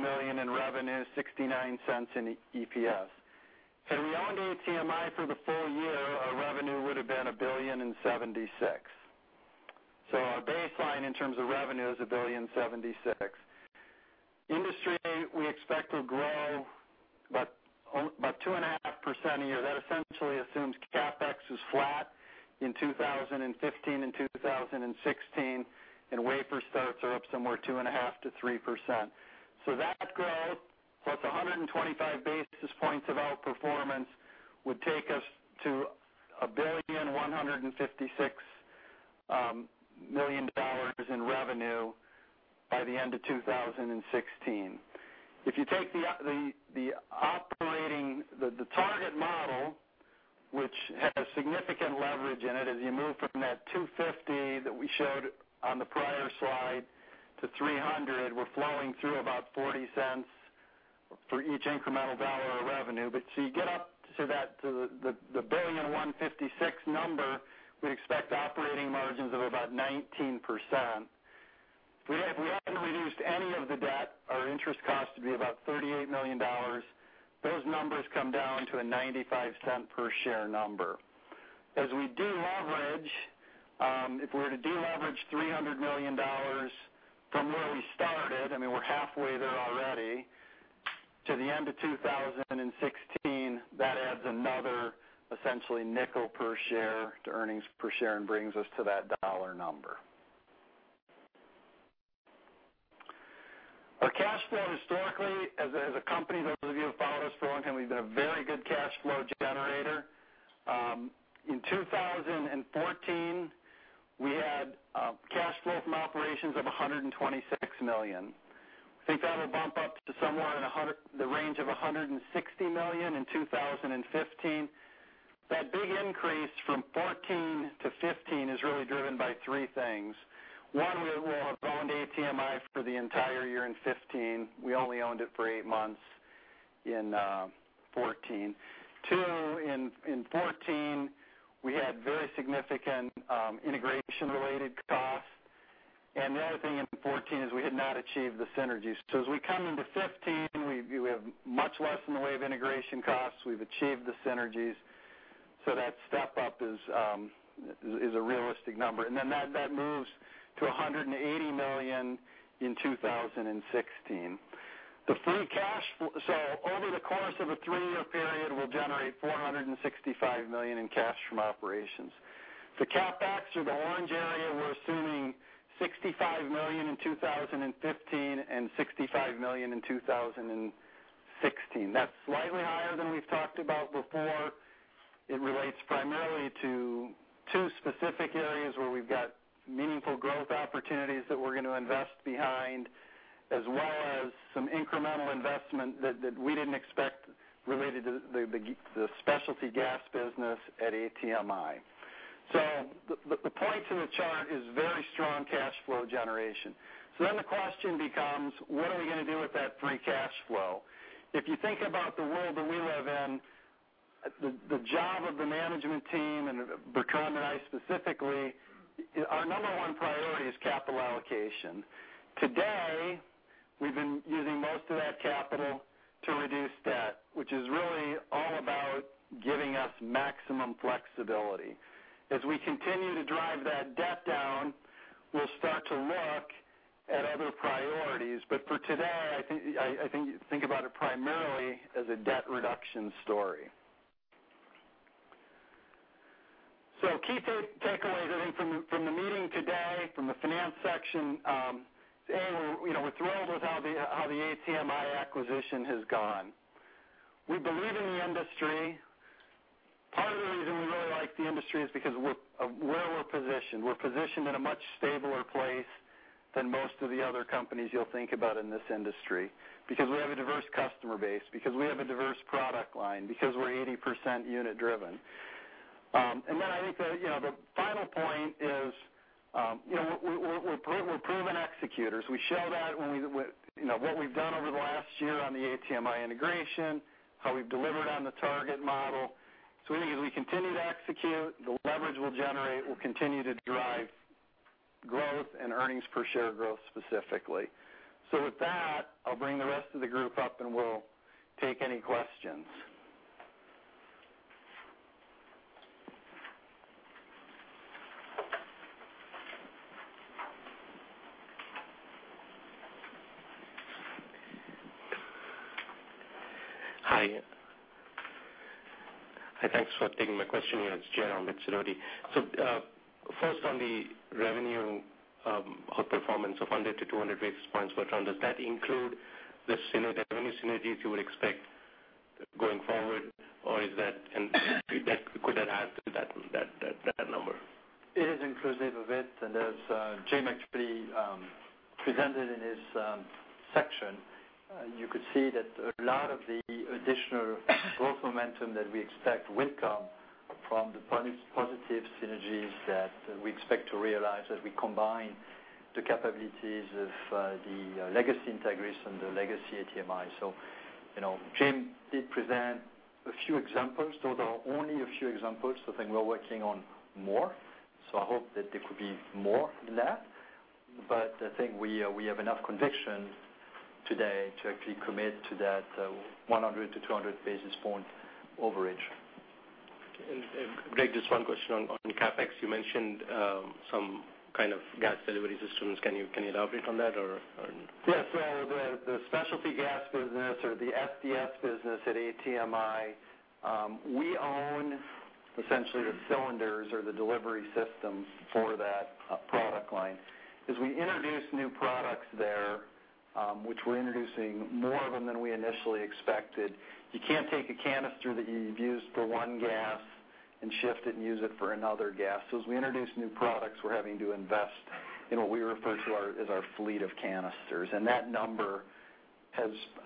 million in revenue, $0.69 in EPS. Had we owned ATMI for the full year, our revenue would've been $1.076 billion. Our baseline in terms of revenue is $1.076 billion. Industry, we expect to grow about 2.5% a year. That essentially assumes CapEx is flat in 2015 and 2016, and wafer starts are up somewhere 2.5%-3%. That growth, plus 125 basis points of outperformance, would take us to $1.156 billion in revenue by the end of 2016. If you take the target model, which has significant leverage in it, as you move from that $250 million that we showed on the prior slide to $300 million, we're flowing through about $0.40 for each incremental dollar of revenue. You get up to the $1.156 billion number, we expect operating margins of about 19%. If we hadn't reduced any of the debt, our interest cost would be about $38 million. Those numbers come down to a $0.95 per share number. As we de-leverage, if we're to de-leverage $300 million from where we started, we're halfway there already, to the end of 2016, that adds another essentially $0.05 per share to earnings per share and brings us to that $1.00 number. Our cash flow historically, as a company, those of you who have followed us for a long time, we've been a very good cash flow generator. In 2014, we had cash flow from operations of $126 million. We think that'll bump up to somewhere in the range of $160 million in 2015. That big increase from 2014 to 2015 is really driven by three things. One, we will have owned ATMI for the entire year in 2015. We only owned it for eight months in 2014. In 2014, we had very significant integration-related costs. The other thing in 2014 is we had not achieved the synergies. As we come into 2015, we have much less in the way of integration costs. We've achieved the synergies. That step-up is a realistic number, and then that moves to $180 million in 2016. Over the course of a three-year period, we'll generate $465 million in cash from operations. The CapEx or the orange area, we're assuming $65 million in 2015 and $65 million in 2016. That's slightly higher than we've talked about before. It relates primarily to two specific areas where we've got meaningful growth opportunities that we're going to invest behind, as well as some incremental investment that we didn't expect related to the specialty gas business at ATMI. The point to the chart is very strong cash flow generation. The question becomes, what are we going to do with that free cash flow? If you think about the world that we live in, the job of the management team, and Bertrand and I specifically, our number 1 priority is capital allocation. Today, we've been using most of that capital to reduce debt, which is really all about giving us maximum flexibility. As we continue to drive that debt down, we'll start to look at other priorities. For today, I think about it primarily as a debt reduction story. Key takeaways, I think, from the meeting today, from the finance section, A. We're thrilled with how the ATMI acquisition has gone. We believe in the industry. Part of the reason we really like the industry is because of where we're positioned. We're positioned in a much stabler place than most of the other companies you'll think about in this industry, because we have a diverse customer base, because we have a diverse product line, because we're 80% unit-driven. I think the final point is we're proven executors. We show that with what we've done over the last year on the ATMI integration, how we've delivered on the target model. We think as we continue to execute, the leverage we'll generate will continue to drive growth and earnings per share growth specifically. With that, I'll bring the rest of the group up, and we'll take any questions. Hi. Thanks for taking my question. It's Jerome Citodi. First on the revenue outperformance of 100-200 basis points for Bertrand, does that include any synergies you would expect going forward, or could that add to that number? It is inclusive of it, as Jim actually presented in his section, you could see that a lot of the additional growth momentum that we expect will come from the positive synergies that we expect to realize as we combine the capabilities of the legacy Entegris and the legacy ATMI. Jim did present a few examples. Those are only a few examples. I think we're working on more. I hope that there could be more in that. I think we have enough conviction today to actually commit to that 100-200 basis point overage. Okay. Greg, just one question on CapEx. You mentioned some kind of gas delivery systems. Can you elaborate on that or- Yes. The specialty gas business or the SDS business at ATMI, we own essentially the cylinders or the delivery systems for that product line. As we introduce new products there, which we're introducing more of them than we initially expected, you can't take a canister that you've used for one gas and shift it and use it for another gas. As we introduce new products, we're having to invest in what we refer to as our fleet of canisters. That number,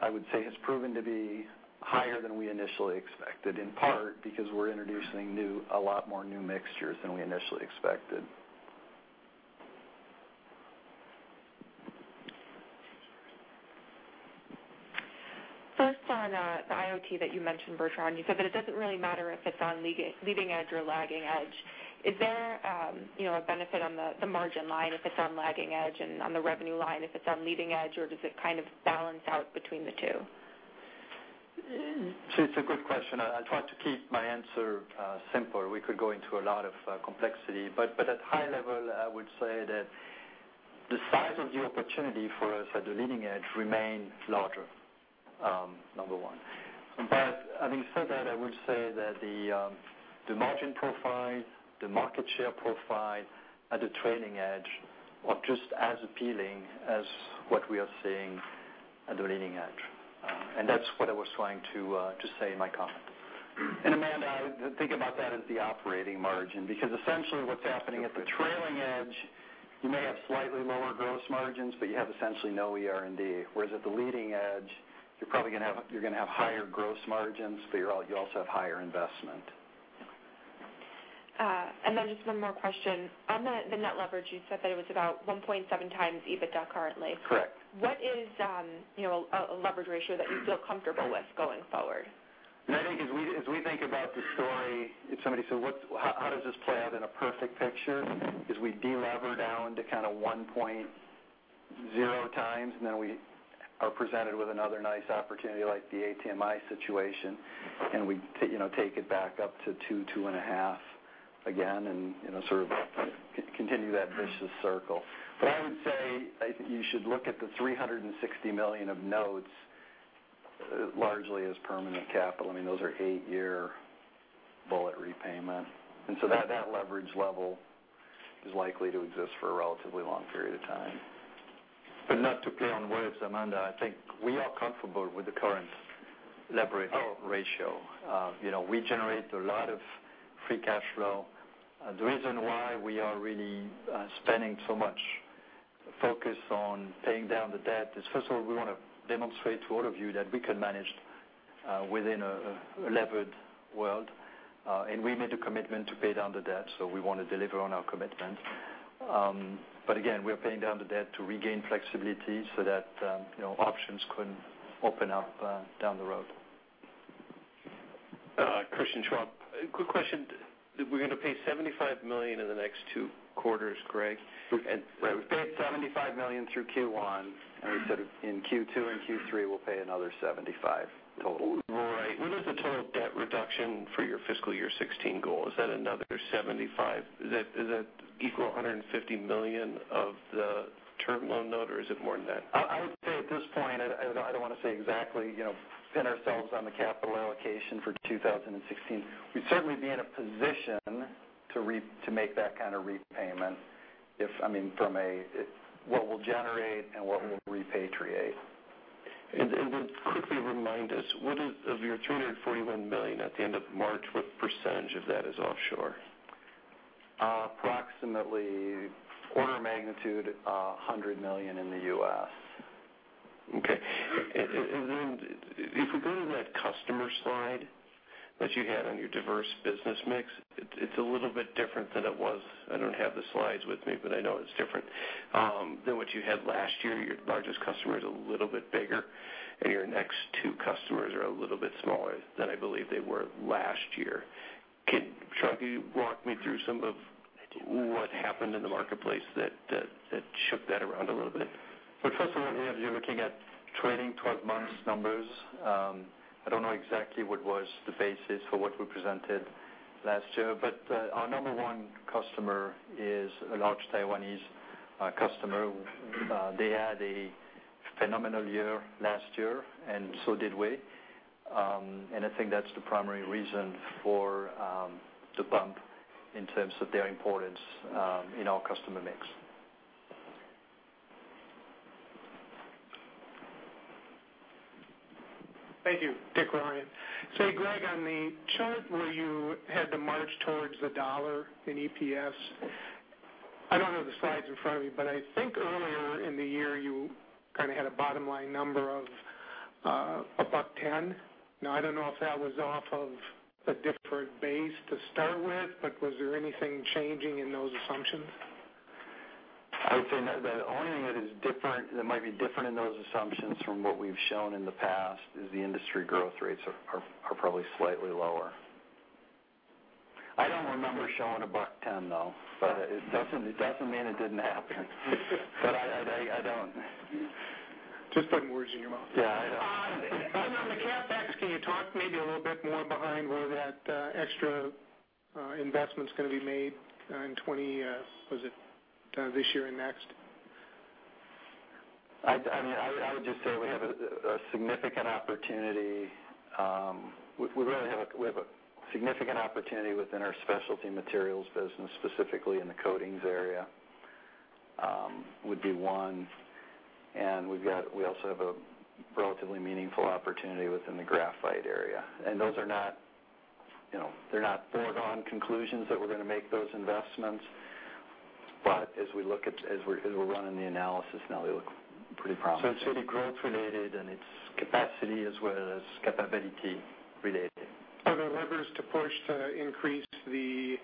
I would say, has proven to be higher than we initially expected, in part because we're introducing a lot more new mixtures than we initially expected. On the IoT that you mentioned, Bertrand, you said that it doesn't really matter if it's on leading edge or lagging edge. Is there a benefit on the margin line if it's on lagging edge and on the revenue line if it's on leading edge, or does it kind of balance out between the two? It's a good question. I'll try to keep my answer simple. We could go into a lot of complexity. At high level, I would say that the size of the opportunity for us at the leading edge remains larger, number one. Having said that, I would say that the margin profile, the market share profile at the trailing edge are just as appealing as what we are seeing at the leading edge. That's what I was trying to say in my comment. Amanda, think about that as the operating margin. Because essentially what's happening at the trailing edge, you may have slightly lower gross margins, but you have essentially no ER&D. Whereas at the leading edge, you're going to have higher gross margins, but you also have higher investment. Just one more question. On the net leverage, you said that it was about 1.7 times EBITDA currently. Correct. What is a leverage ratio that you feel comfortable with going forward? As we think about the story, if somebody says, "How does this play out in a perfect picture?" is we de-lever down to kind of 1.0 times, and then we are presented with another nice opportunity like the ATMI situation, and we take it back up to two, 2.5 again and sort of continue that vicious circle. I would say, I think you should look at the $360 million of notes largely as permanent capital. I mean, those are eight-year bullet repayment. That leverage level is likely to exist for a relatively long period of time. Not to play on words, Amanda, I think we are comfortable with the current leverage ratio. We generate a lot of free cash flow. The reason why we are really spending so much focus on paying down the debt is, first of all, we want to demonstrate to all of you that we can manage within a levered world. We made a commitment to pay down the debt, so we want to deliver on our commitment. Again, we're paying down the debt to regain flexibility so that options can open up down the road. Christian Schwab. Quick question. We're going to pay $75 million in the next two quarters, Greg? Right. We paid $75 million through Q1. We said in Q2 and Q3, we'll pay another $75 million total. Right. What is the total debt reduction for your fiscal year 2016 goal? Is that another $75 million? Does that equal $150 million of the term loan note, or is it more than that? I would say at this point, I don't want to say exactly, pin ourselves on the capital allocation for 2016. We'd certainly be in a position to make that kind of repayment from what we'll generate and what we'll repatriate. Quickly remind us, of your $241 million at the end of March, what % of that is offshore? Approximately order of magnitude, $100 million in the U.S. Okay. Then if we go to that customer slide that you had on your diverse business mix, it's a little bit different than it was. I don't have the slides with me, but I know it's different than what you had last year. Your largest customer is a little bit bigger, and your next two customers are a little bit smaller than I believe they were last year. Walk me through some of what happened in the marketplace that shook that around a little bit? Well, first of all, you're looking at trailing 12 months numbers. I don't know exactly what was the basis for what we presented last year, but our number one customer is a large Taiwanese customer. They had a phenomenal year last year, and so did we. I think that's the primary reason for the bump in terms of their importance in our customer mix. Thank you. Richard Rorick. Greg, on the chart where you had the march towards the dollar in EPS, I don't have the slides in front of me, but I think earlier in the year, you kind of had a bottom-line number of $1.10. I don't know if that was off of a different base to start with, but was there anything changing in those assumptions? I would say the only thing that might be different in those assumptions from what we've shown in the past is the industry growth rates are probably slightly lower. I don't remember showing a $1.10, though. It doesn't mean it didn't happen. I don't. Just putting words in your mouth. Yeah, I know. On the CapEx, can you talk maybe a little bit more behind where that extra investment's going to be made this year and next? I would just say we have a significant opportunity. We really have a significant opportunity within our specialty materials business, specifically in the coatings area, would be one. We also have a relatively meaningful opportunity within the graphite area. Those are not foregone conclusions that we're going to make those investments. As we're running the analysis now, they look pretty promising. It's really growth related, and it's capacity as well as capability related. Are there levers to push to increase the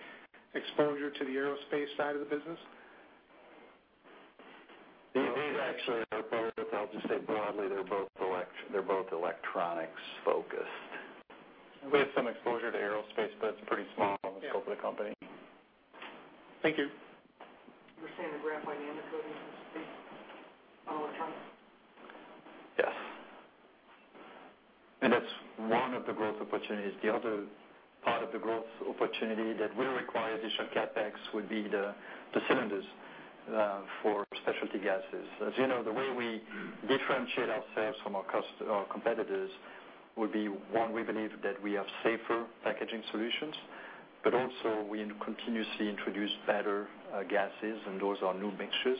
exposure to the aerospace side of the business? These actually are both, I'll just say broadly, they're both electronics focused. We have some exposure to aerospace, it's pretty small in the scope of the company. Thank you. You were saying the graphite and the coatings all account? Yes. That's one of the growth opportunities. The other part of the growth opportunity that will require additional CapEx would be the cylinders for specialty gases. As you know, the way we differentiate ourselves from our competitors would be, one, we believe that we have safer packaging solutions. Also, we continuously introduce better gases, those are new mixtures.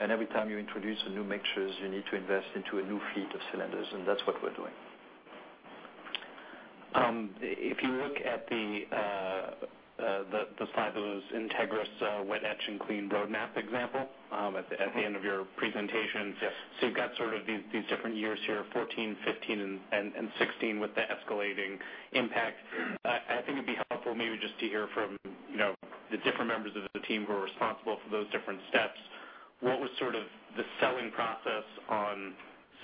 Every time you introduce a new mixture, you need to invest into a new fleet of cylinders, that's what we're doing. If you look at the slide that was Entegris wet etch and clean roadmap example at the end of your presentation. Yes. You've got sort of these different years here, 2014, 2015, and 2016, with the escalating impact. I think it'd be helpful maybe just to hear from the different members of the team who are responsible for those different steps. What was sort of the selling process on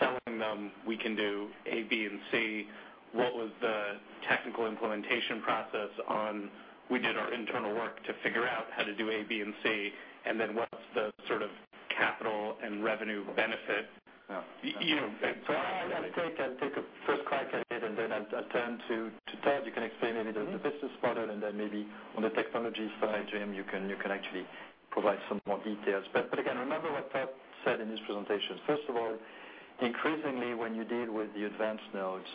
selling them, we can do A, B, and C? What was the technical implementation process on, we did our internal work to figure out how to do A, B, and C? What's the sort of capital and revenue benefit? I'll take a first crack at it, and then I'll turn to Todd, you can explain maybe the business model, and then maybe on the technology side, Jim, you can actually provide some more details. Again, remember what Todd said in his presentation. First of all, increasingly, when you deal with the advanced nodes,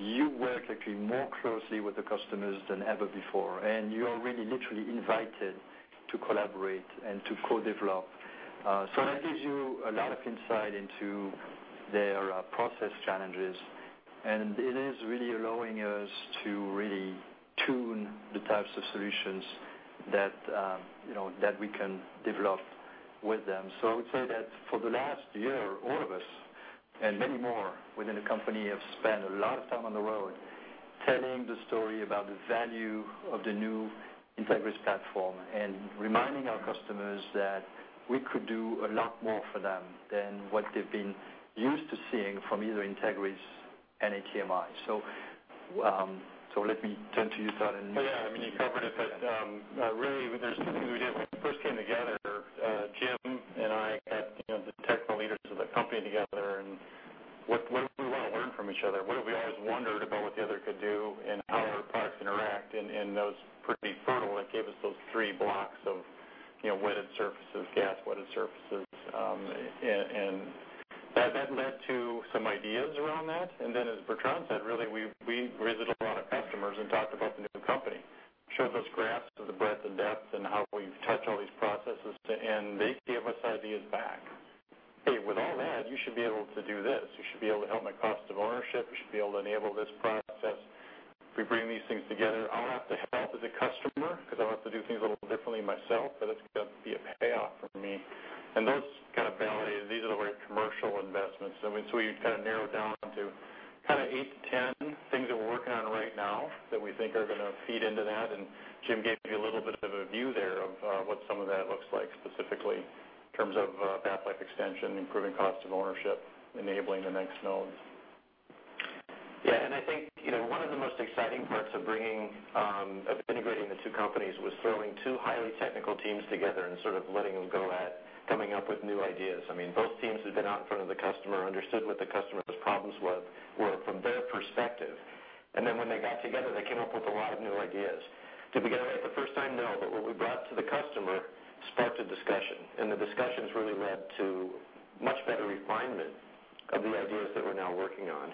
you work actually more closely with the customers than ever before, and you're really literally invited to collaborate and to co-develop. That gives you a lot of insight into their process challenges And it is really allowing us to really tune the types of solutions that we can develop with them. I would say that for the last year, all of us and many more within the company, have spent a lot of time on the road telling the story about the value of the new Entegris platform and reminding our customers that we could do a lot more for them than what they've been used to seeing from either Entegris and ATMI. Let me turn to you, Todd. Well, yeah, you covered it. Really, there's two things we did. When we first came together, Jim and I got the technical leaders of the company together. What do we want to learn from each other? What have we always wondered about what the other could do and how our products interact? Those pretty fertile. It gave us those three blocks of wetted surfaces, gas wetted surfaces. That led to some ideas around that. Then as Bertrand said, really, we visited a lot of customers and talked about the new company. Showed those graphs of the breadth and depth and how we touch all these processes to end. They give us ideas back. "Hey, with all that, you should be able to do this. You should be able to help my cost of ownership. You should be able to enable this process. If we bring these things together, I'll have to help as a customer because I'll have to do things a little differently myself, but it's got to be a payoff for me." Those kind of validated. These are the right commercial investments. We kind of narrowed down to 8 to 10 things that we're working on right now that we think are going to feed into that. Jim gave you a little bit of a view there of what some of that looks like specifically in terms of path length extension, improving cost of ownership, enabling the next nodes. Yeah, I think one of the most exciting parts of integrating the two companies was throwing two highly technical teams together and sort of letting them go at coming up with new ideas. Both teams who'd been out in front of the customer, understood what the customer's problems were from their perspective. Then when they got together, they came up with a lot of new ideas. Did we get it right the first time? No. What we brought to the customer sparked a discussion. The discussions really led to much better refinement of the ideas that we're now working on.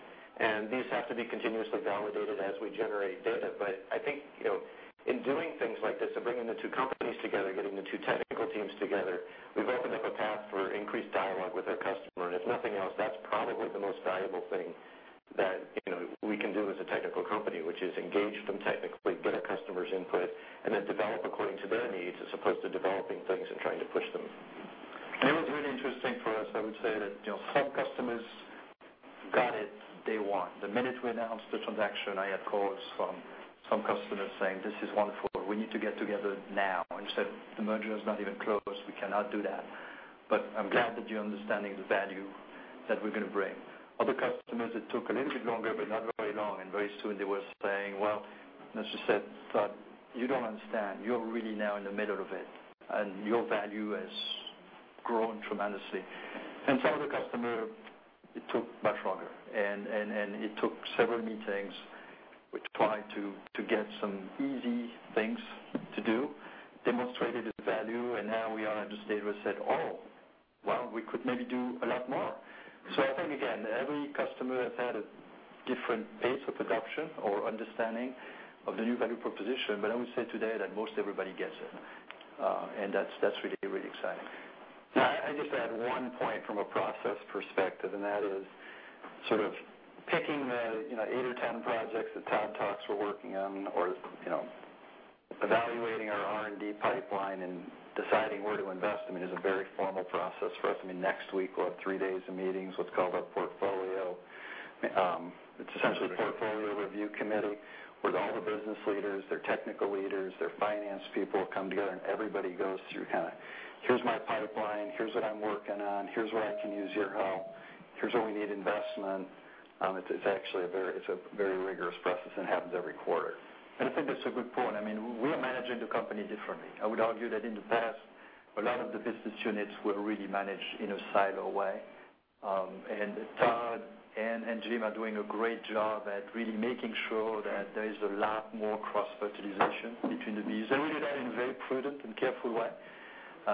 These have to be continuously validated as we generate data. I think, in doing things like this, bringing the two companies together, getting the two technical teams together, we've opened up a path for increased dialogue with our customer. If nothing else, that's probably the most valuable thing that we can do as a technical company, which is engage them technically, get a customer's input, and then develop according to their needs as opposed to developing things and trying to push them. It was really interesting for us, I would say that some customers got it day one. The minute we announced the transaction, I had calls from some customers saying, "This is wonderful. We need to get together now." We said, "The merger is not even closed. We cannot do that. But I'm glad that you're understanding the value that we're going to bring." Other customers, it took a little bit longer, but not very long, and very soon they were saying, "Well," as you said, "Todd, you don't understand. You're really now in the middle of it, and your value has grown tremendously." Some of the customers, it took much longer, and it took several meetings. We tried to get some easy things to do, demonstrated the value. Now we are at a stage where we said, "Oh, well, we could maybe do a lot more." I think, again, every customer has had a different pace of adoption or understanding of the new value proposition. I would say today that most everybody gets it, and that's really exciting. I just add one point from a process perspective. That is sort of picking the eight or 10 projects that Todd talks we're working on or evaluating our R&D pipeline and deciding where to invest is a very formal process for us. Next week, we'll have three days of meetings, what's called a portfolio. It's essentially a portfolio review committee where all the business leaders, their technical leaders, their finance people come together. Everybody goes through kind of, here's my pipeline, here's what I'm working on, here's where I can use your help, here's where we need investment. It's a very rigorous process and happens every quarter. I think that's a good point. We are managing the company differently. I would argue that in the past, a lot of the business units were really managed in a silo way. Todd and Jim are doing a great job at really making sure that there is a lot more cross-fertilization between the BUs. We do that in a very prudent and careful way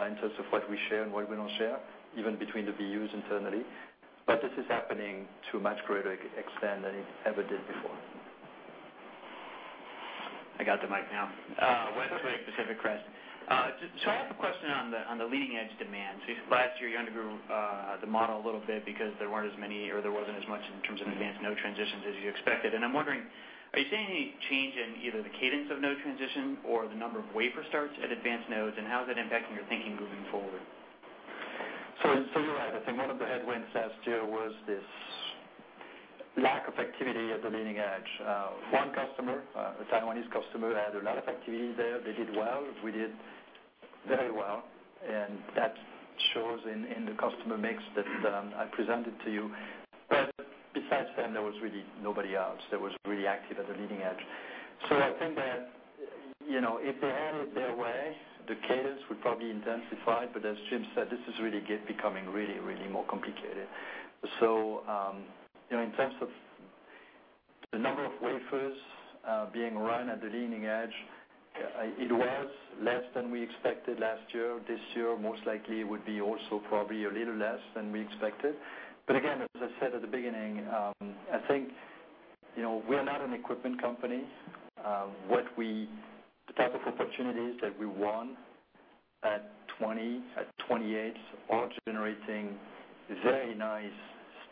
in terms of what we share and what we don't share, even between the BUs internally. This is happening to a much greater extent than it ever did before. I got the mic now. Okay. Wedbush Pacific Crest. I have a question on the leading edge demand. Last year, you undergrew the model a little bit because there weren't as many, or there wasn't as much in terms of advanced node transitions as you expected. I'm wondering, are you seeing any change in either the cadence of node transition or the number of wafer starts at advanced nodes, and how is that impacting your thinking moving forward? You're right. I think one of the headwinds last year was this lack of activity at the leading edge. One customer, a Taiwanese customer, had a lot of activity there. They did well. We did very well, and that shows in the customer mix that I presented to you. Besides them, there was really nobody else that was really active at the leading edge. I think that if they had it their way, the cadence would probably intensify. As Jim said, this is really becoming really more complicated. In terms of the number of wafers being run at the leading edge, it was less than we expected last year. This year, most likely, it would be also probably a little less than we expected. Again, as I said at the beginning, I think we are not an equipment company. The type of opportunities that we want At 20, at 28, all generating very nice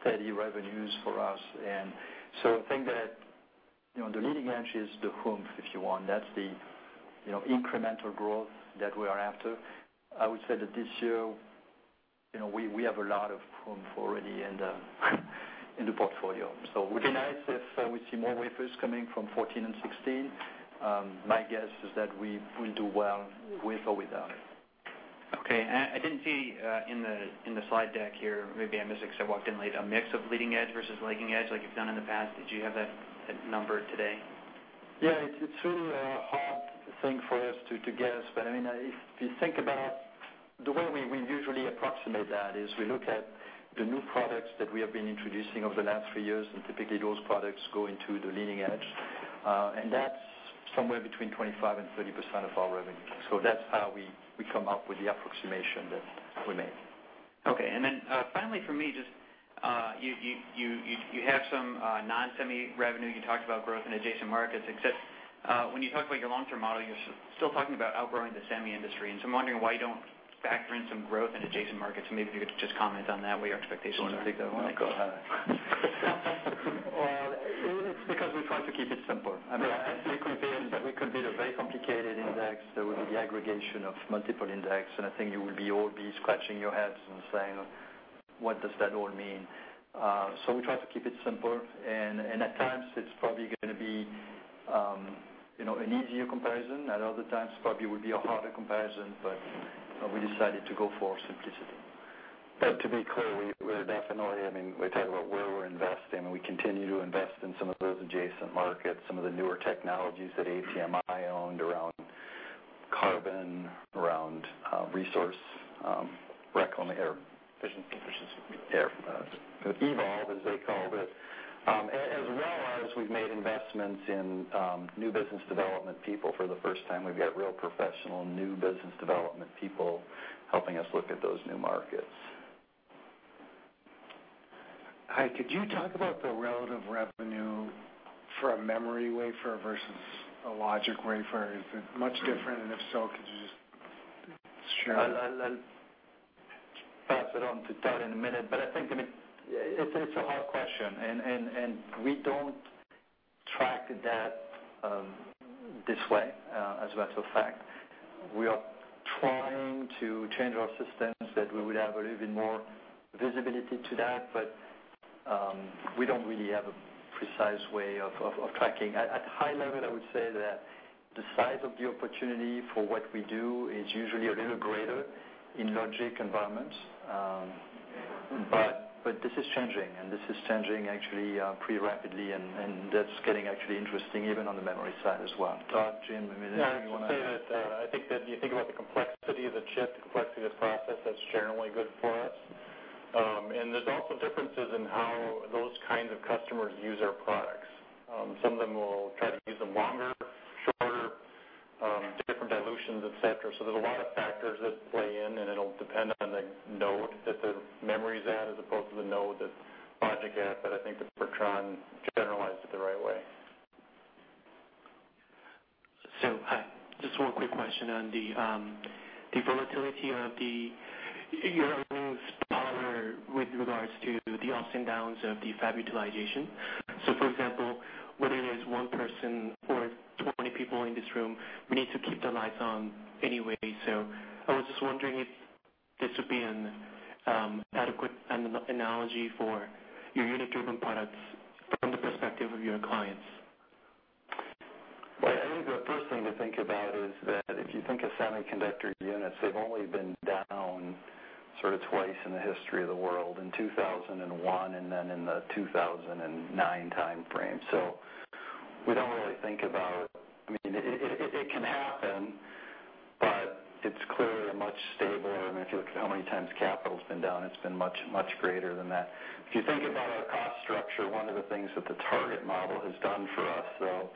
steady revenues for us. I think that the leading edge is the hump, if you want. That's the incremental growth that we are after. I would say that this year, we have a lot of hump already in the portfolio. It would be nice if we see more wafers coming from 14 and 16. My guess is that we will do well with or without it. Okay. I didn't see in the slide deck here, maybe I missed it because I walked in late, a mix of leading edge versus lagging edge like you've done in the past. Did you have that number today? Yeah, it's really a hard thing for us to guess. If you think about the way we usually approximate that, is we look at the new products that we have been introducing over the last three years, typically those products go into the leading edge. That's somewhere between 25%-30% of our revenue. That's how we come up with the approximation that we make. Okay. Then finally from me, you have some non-semi revenue. You talked about growth in adjacent markets, except when you talk about your long-term model, you're still talking about outgrowing the semi industry. I'm wondering why you don't factor in some growth in adjacent markets. Maybe if you could just comment on that, what your expectations are. You want to take that one? No, go ahead. It's because we try to keep it simple. Yeah. We could build a very complicated index that would be aggregation of multiple index, I think you would all be scratching your heads and saying, "What does that all mean?" We try to keep it simple, and at times it's probably going to be an easier comparison. At other times, probably would be a harder comparison, We decided to go for simplicity. To be clear, we're definitely we talk about where we're investing, We continue to invest in some of those adjacent markets, some of the newer technologies that ATMI owned around carbon, around resource reclamation or efficiency. eVOLV, as they called it. As well as we've made investments in new business development people for the first time. We've got real professional new business development people helping us look at those new markets. Hi, could you talk about the relative revenue for a memory wafer versus a logic wafer? Is it much different? If so, could you just share? I'll pass it on to Todd in a minute. I think it's a hard question, we don't track that this way, as a matter of fact. We are trying to change our systems that we would have a little bit more visibility to that, we don't really have a precise way of tracking. At high level, I would say that the size of the opportunity for what we do is usually a little greater in logic environments. This is changing, this is changing actually pretty rapidly, and that's getting actually interesting, even on the memory side as well. Todd, Jim, anything you want to add? I'd just say that I think that you think about the complexity of the chip, the complexity of the process, that's generally good for us. There's also differences in how those kinds of customers use our products. Some of them will try to use them longer, shorter, different dilutions, et cetera. There's a lot of factors that play in, it'll depend on the node that the memory's at, as opposed to the node that logic's at. I think that Bertrand generalized it the right way. Hi, just one quick question on your earnings tolerance with regards to the ups and downs of the fab utilization. For example, whether it is one person or 20 people in this room, we need to keep the lights on anyway. I was just wondering if this would be an adequate analogy for your unit-driven products from the perspective of your clients. I think the first thing to think about is that if you think of semiconductor units, they've only been down sort of twice in the history of the world, in 2001, and then in the 2009 time frame. We don't really think about it can happen, but it's clearly a much stabler, I mean, if you look at how many times capital's been down, it's been much, much greater than that. If you think about our cost structure, one of the things that the Target model has done for us, though,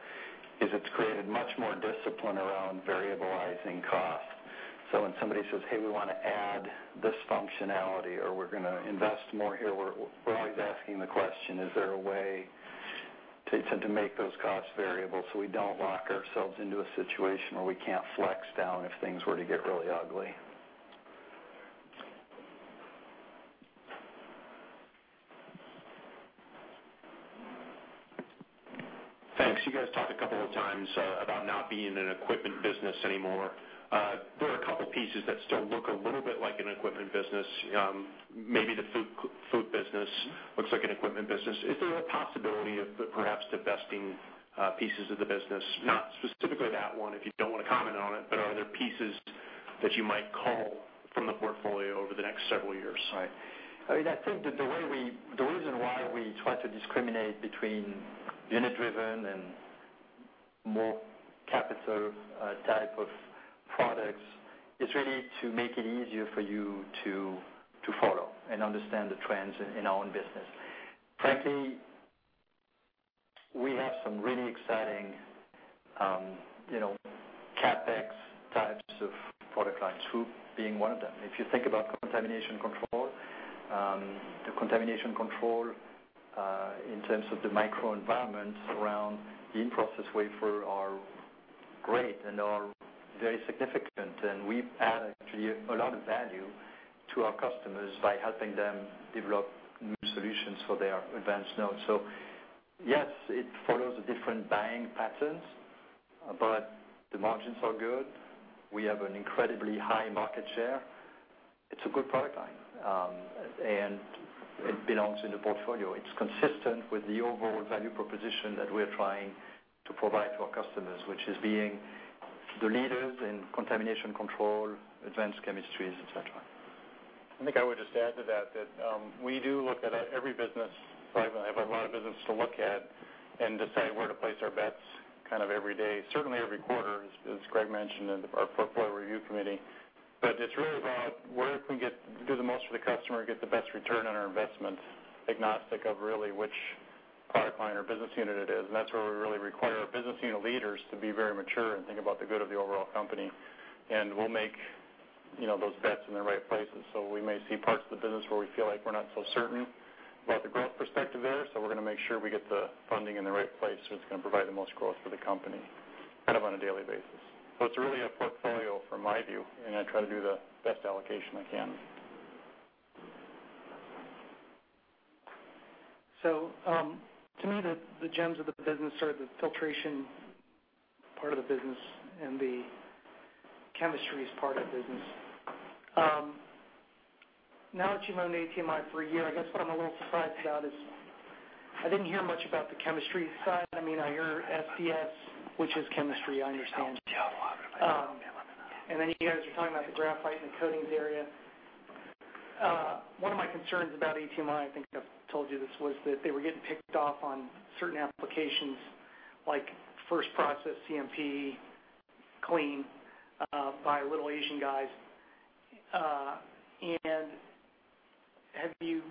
is it's created much more discipline around variabilizing cost. When somebody says, "Hey, we want to add this functionality," or, "We're going to invest more here," we're always asking the question, is there a way to make those costs variable so we don't lock ourselves into a situation where we can't flex down if things were to get really ugly. Thanks. You guys talked a couple of times about not being an equipment business anymore. There are a couple pieces that still look a little bit like an equipment business. Maybe the FOUP business looks like an equipment business. Is there a possibility of perhaps divesting pieces of the business? Not specifically that one, if you don't want to comment on it, but are there pieces that you might cull from the portfolio over the next several years? Right. I think that the reason why we try to discriminate between unit driven and more capital type of products is really to make it easier for you to follow and understand the trends in our own business. Frankly, we have some really exciting CapEx types of product lines, FOUP being one of them. If you think about the contamination control in terms of the microenvironments around the in-process wafer are great and are very significant, and we add actually a lot of value to our customers by helping them develop new solutions for their advanced nodes. Yes, it follows different buying patterns, but the margins are good. We have an incredibly high market share. It's a good product line, and it belongs in the portfolio. It's consistent with the overall value proposition that we're trying to provide to our customers, which is being the leaders in contamination control, advanced chemistries, et cetera. I think I would just add to that we do look at every business. I have a lot of business to look at and decide where to place our bets every day, certainly every quarter, as Greg mentioned, and our portfolio review committee. It's really about where can we do the most for the customer, get the best return on our investment, agnostic of really which product line or business unit it is. That's where we really require our business unit leaders to be very mature and think about the good of the overall company. We'll make those bets in the right places. We may see parts of the business where we feel like we're not so certain about the growth perspective there, so we're going to make sure we get the funding in the right place, so it's going to provide the most growth for the company on a daily basis. It's really a portfolio from my view, and I try to do the best allocation I can. To me, the gems of the business are the filtration part of the business and the chemistries part of the business. Now that you've owned ATMI for a year, I guess what I'm a little surprised about is I didn't hear much about the chemistry side. I hear SPS, which is chemistry, I understand. Then you guys are talking about the graphite and the coatings area. One of my concerns about ATMI, I think I've told you this, was that they were getting picked off on certain applications, like first process CMP clean, by little Asian guys. Do you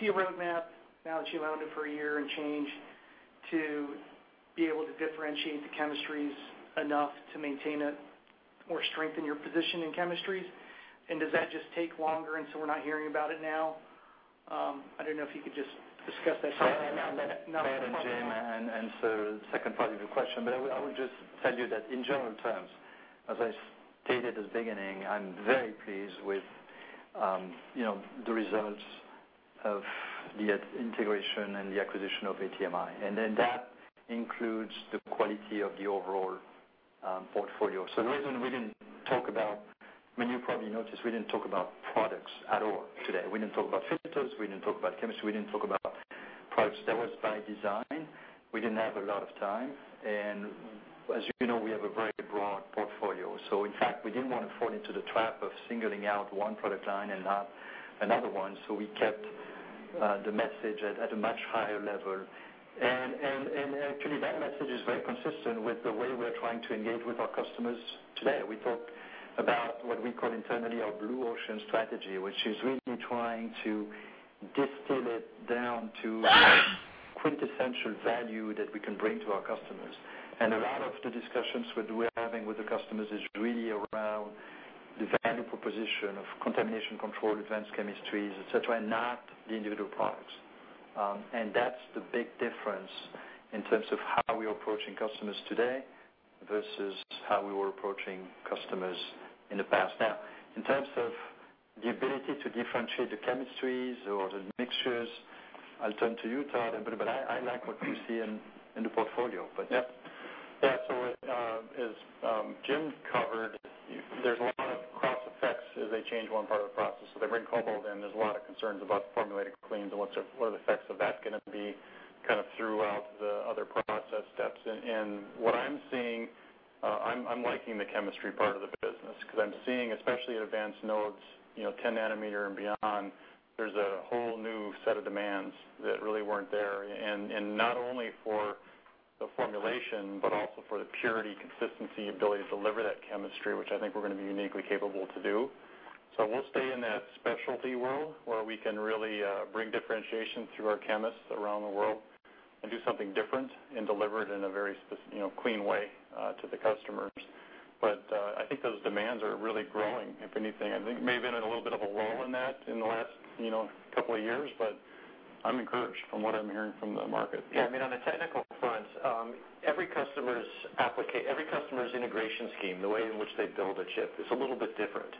see a roadmap now that you've owned it for a year and change to be able to differentiate the chemistries enough to maintain it or strengthen your position in chemistries? Does that just take longer, and so we're not hearing about it now? I don't know if you could just discuss that. I'll let Jim answer the second part of your question, but I would just tell you that in general terms, as I stated at the beginning, I'm very pleased with the results of the integration and the acquisition of ATMI, and that includes the quality of the overall portfolio. The reason we didn't talk about. You probably noticed we didn't talk about products at all today. We didn't talk about filters, we didn't talk about chemistry, we didn't talk about products. That was by design. We didn't have a lot of time, and as you know, we have a very broad portfolio. In fact, we didn't want to fall into the trap of singling out one product line and not another one. We kept the message at a much higher level. Actually, that message is very consistent with the way we're trying to engage with our customers today. We talk about what we call internally our Blue Ocean Strategy, which is really trying to distill it down to quintessential value that we can bring to our customers. A lot of the discussions we're having with the customers is really around the value proposition of contamination control, advanced chemistries, et cetera, and not the individual products. That's the big difference in terms of how we're approaching customers today versus how we were approaching customers in the past. Now, in terms of the ability to differentiate the chemistries or the mixtures, I'll turn to you, Todd, but I like what we see in the portfolio. Yep. Yeah. As Jim covered, there's a lot of cross effects as they change one part of the process. They bring cobalt in, there's a lot of concerns about formulated cleans and what are the effects of that going to be throughout the other process steps. What I'm seeing, I'm liking the chemistry part of the business because I'm seeing, especially at advanced nodes, 10 nanometer and beyond, there's a whole new set of demands that really weren't there. Not only for the formulation, but also for the purity, consistency, ability to deliver that chemistry, which I think we're going to be uniquely capable to do. We'll stay in that specialty world where we can really bring differentiation through our chemists around the world and do something different and deliver it in a very specific, clean way to the customers. I think those demands are really growing, if anything. I think maybe in a little bit of a lull in that in the last couple of years, but I'm encouraged from what I'm hearing from the market. Yeah. On the technical front, every customer's integration scheme, the way in which they build a chip is a little bit different.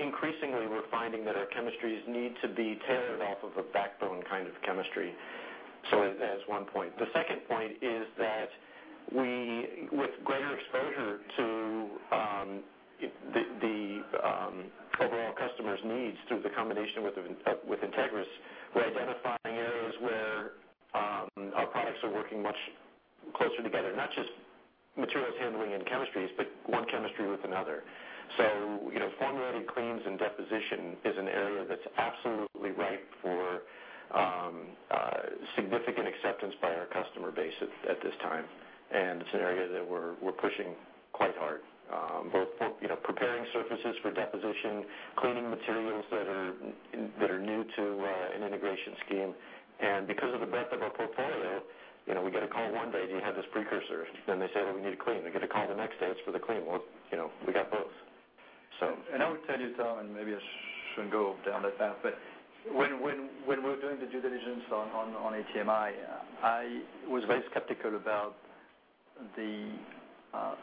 Increasingly, we're finding that our chemistries need to be tailored off of a backbone kind of chemistry. That's one point. The second point is that with greater exposure to the overall customers' needs through the combination with Entegris, we're identifying areas where our products are working much closer together, not just materials handling and chemistries, but one chemistry with another. Formulated cleans and deposition is an area that's absolutely ripe for significant acceptance by our customer base at this time, and it's an area that we're pushing quite hard. Both preparing surfaces for deposition, cleaning materials that are new to an integration scheme. Because of the breadth of They call one day, do you have this precursor? Then they say that we need to clean. They get a call the next day, it's for the clean. Well, we got both. I would tell you, Todd, and maybe I shouldn't go down that path, but when we're doing the due diligence on ATMI, I was very skeptical about the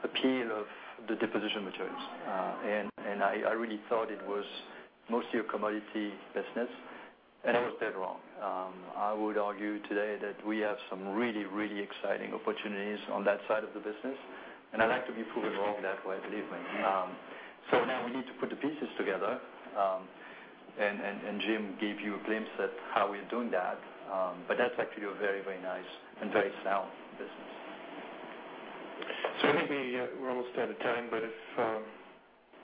appeal of the deposition materials. I really thought it was mostly a commodity business, and I was dead wrong. I would argue today that we have some really, really exciting opportunities on that side of the business, and I like to be proven wrong that way, believe me. Now we need to put the pieces together. Jim gave you a glimpse at how we're doing that. That's actually a very, very nice and very sound business. I think we're almost out of time, but if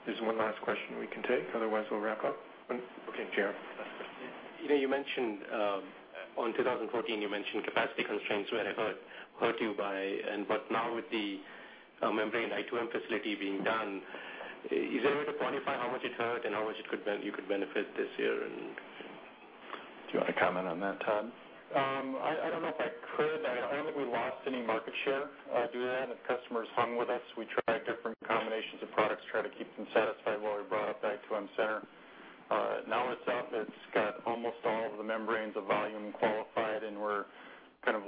there's one last question we can take. Otherwise, we'll wrap up. Okay, Jerome. You mentioned on 2014, you mentioned capacity constraints hurt you. Now with the membrane i2M facility being done, is there a way to quantify how much it hurt and how much you could benefit this year? Do you want to comment on that, Todd? I don't know if I could. I don't think we lost any market share during that, and the customers hung with us. We tried different combinations of products, tried to keep them satisfied while we brought up i2M Center. Now it's up. It's got almost all of the membranes of volume qualified, and we're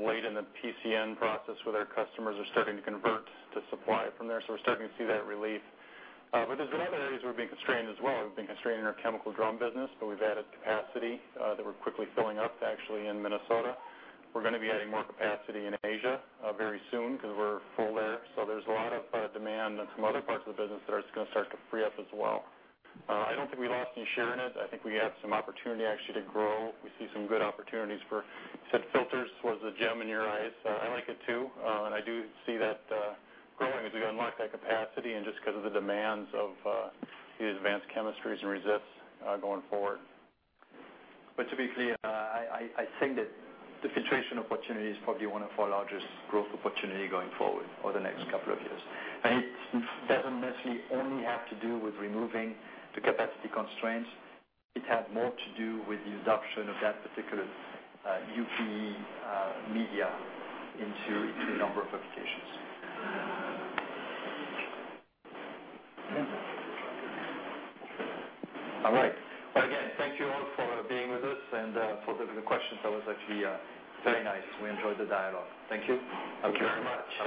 late in the PCN process where their customers are starting to convert to supply from there, so we're starting to see that relief. There's been other areas we're being constrained as well. We've been constrained in our chemical drum business, but we've added capacity that we're quickly filling up, actually, in Minnesota. We're going to be adding more capacity in Asia very soon because we're full there. There's a lot of demand on some other parts of the business that are going to start to free up as well. I don't think we lost any share in it. I think we have some opportunity, actually, to grow. We see some good opportunities for, you said filters was the gem in your eyes. I like it, too. I do see that growing as we unlock that capacity and just because of the demands of these advanced chemistries and resists going forward. To be clear, I think that the filtration opportunity is probably one of our largest growth opportunity going forward for the next couple of years. It doesn't necessarily only have to do with removing the capacity constraints. It has more to do with the adoption of that particular UPE media into a number of applications. All right. Well, again, thank you all for being with us and for the questions. That was actually very nice. We enjoyed the dialogue. Thank you. Thank you very much.